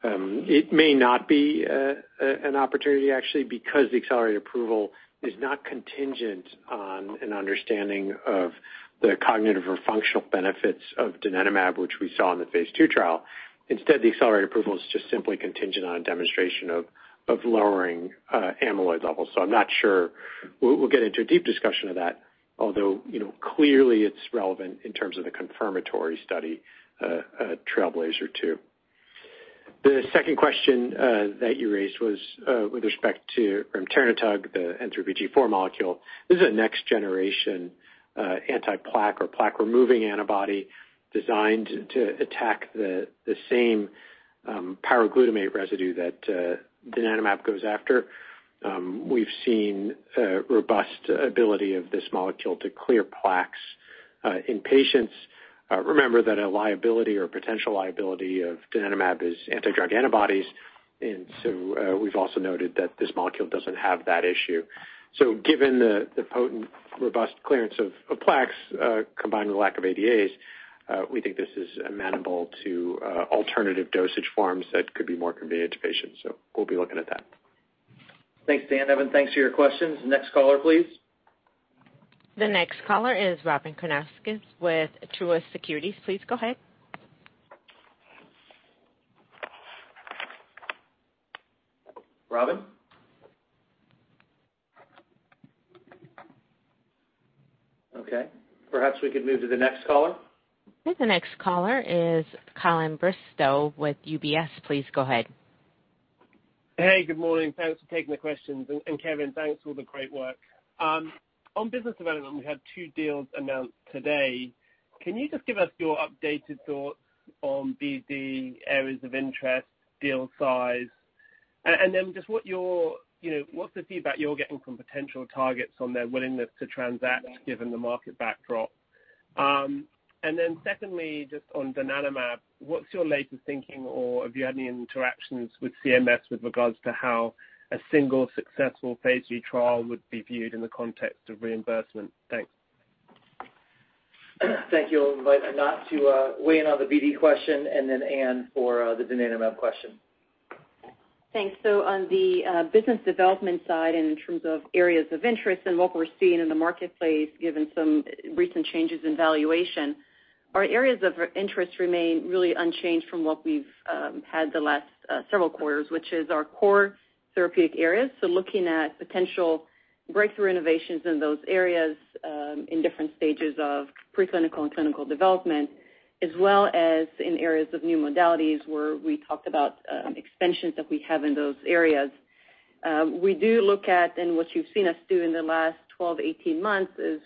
It may not be an opportunity actually because the accelerated approval is not contingent on an understanding of the cognitive or functional benefits of donanemab, which we saw in the phase II trial. Instead, the accelerated approval is just simply contingent on a demonstration of lowering amyloid levels. I'm not sure we'll get into a deep discussion of that, although, you know, clearly it's relevant in terms of the confirmatory study, TRAILBLAZER-ALZ 2. The second question that you raised was with respect to remternetug, the N3pG molecule. This is a next generation, anti-plaque or plaque-removing antibody designed to attack the same pyroglutamate residue that donanemab goes after. We've seen a robust ability of this molecule to clear plaques in patients. Remember that a liability or potential liability of donanemab is Anti-Drug Antibodies. We've also noted that this molecule doesn't have that issue. Given the potent, robust clearance of plaques combined with the lack of ADAs, we think this is amenable to alternative dosage forms that could be more convenient to patients, so we'll be looking at that. Thanks, Dan. Evan, thanks for your questions. Next caller, please. The next caller is Robyn Karnauskas with Truist Securities. Please go ahead. Robyn? Okay. Perhaps we could move to the next caller. The next caller is Colin Bristow with UBS. Please go ahead. Hey, good morning. Thanks for taking the questions, and Kevin, thanks for all the great work. On business development, we had two deals announced today. Can you just give us your updated thoughts on BD areas of interest, deal size? Then just, you know, what's the feedback you're getting from potential targets on their willingness to transact given the market backdrop? Secondly, just on donanemab, what's your latest thinking or have you had any interactions with CMS with regards to how a single successful phase II trial would be viewed in the context of reimbursement? Thanks. Thank you. I'll invite Anat to weigh in on the BD question, and then Anne for the donanemab question. Thanks. On the business development side, and in terms of areas of interest and what we're seeing in the marketplace, given some recent changes in valuation, our areas of interest remain really unchanged from what we've had the last several quarters, which is our core therapeutic areas. Looking at potential breakthrough innovations in those areas, in different stages of pre-clinical and clinical development, as well as in areas of new modalities where we talked about extensions that we have in those areas. We do look at, and what you've seen us do in the last 12, 18 months is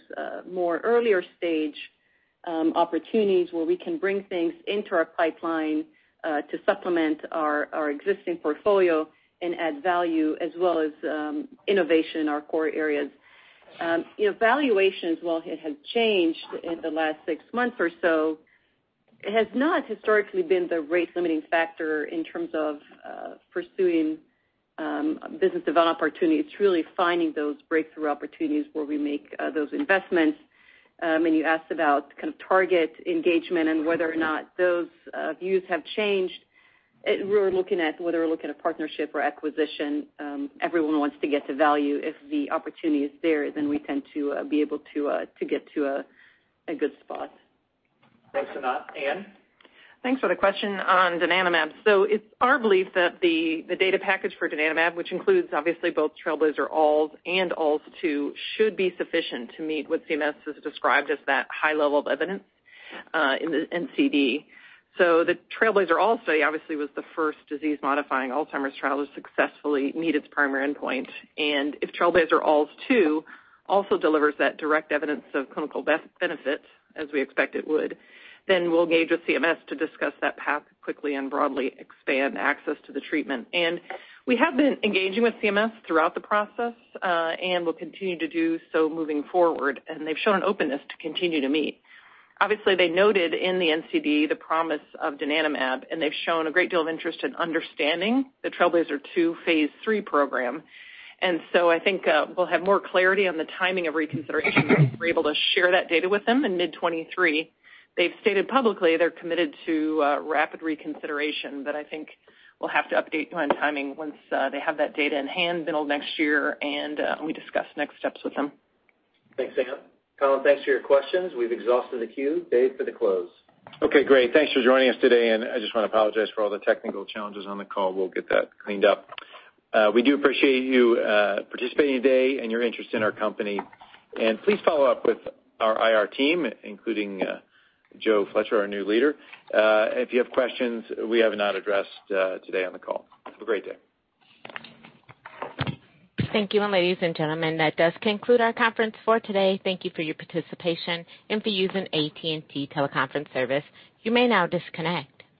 more earlier stage opportunities where we can bring things into our pipeline to supplement our existing portfolio and add value as well as innovation in our core areas. You know, valuations, while it has changed in the last six months or so, has not historically been the rate-limiting factor in terms of pursuing business development opportunities. It's really finding those breakthrough opportunities where we make those investments. You asked about kind of target engagement and whether or not those views have changed. We're looking at partnership or acquisition. Everyone wants to get to value. If the opportunity is there, then we tend to be able to get to a good spot. Thanks, Anat. Anne? Thanks for the question on donanemab. It's our belief that the data package for donanemab, which includes obviously both TRAILBLAZER-ALZ and ALZ 2, should be sufficient to meet what CMS has described as that high level of evidence in the NCD. The TRAILBLAZER-ALZ study obviously was the first disease-modifying Alzheimer's trial to successfully meet its primary endpoint. If TRAILBLAZER-ALZ 2 also delivers that direct evidence of clinical benefit, as we expect it would, then we'll engage with CMS to discuss that path quickly and broadly expand access to the treatment. We have been engaging with CMS throughout the process, and will continue to do so moving forward, and they've shown an openness to continue to meet. Obviously, they noted in the NCD the promise of donanemab, and they've shown a great deal of interest in understanding the TRAILBLAZER-ALZ 2 phase III program. I think we'll have more clarity on the timing of reconsideration if we're able to share that data with them in mid 2023. They've stated publicly they're committed to rapid reconsideration, but I think we'll have to update you on timing once they have that data in hand middle of next year and we discuss next steps with them. Thanks, Anne. Colin, thanks for your questions. We've exhausted the queue. Dave, for the close. Okay, great. Thanks for joining us today, and I just want to apologize for all the technical challenges on the call. We'll get that cleaned up. We do appreciate you participating today and your interest in our company. Please follow up with our IR team, including Joe Fletcher, our new leader, if you have questions we have not addressed today on the call. Have a great day. Thank you. Ladies and gentlemen, that does conclude our conference for today. Thank you for your participation and for using AT&T TeleConference Services. You may now disconnect.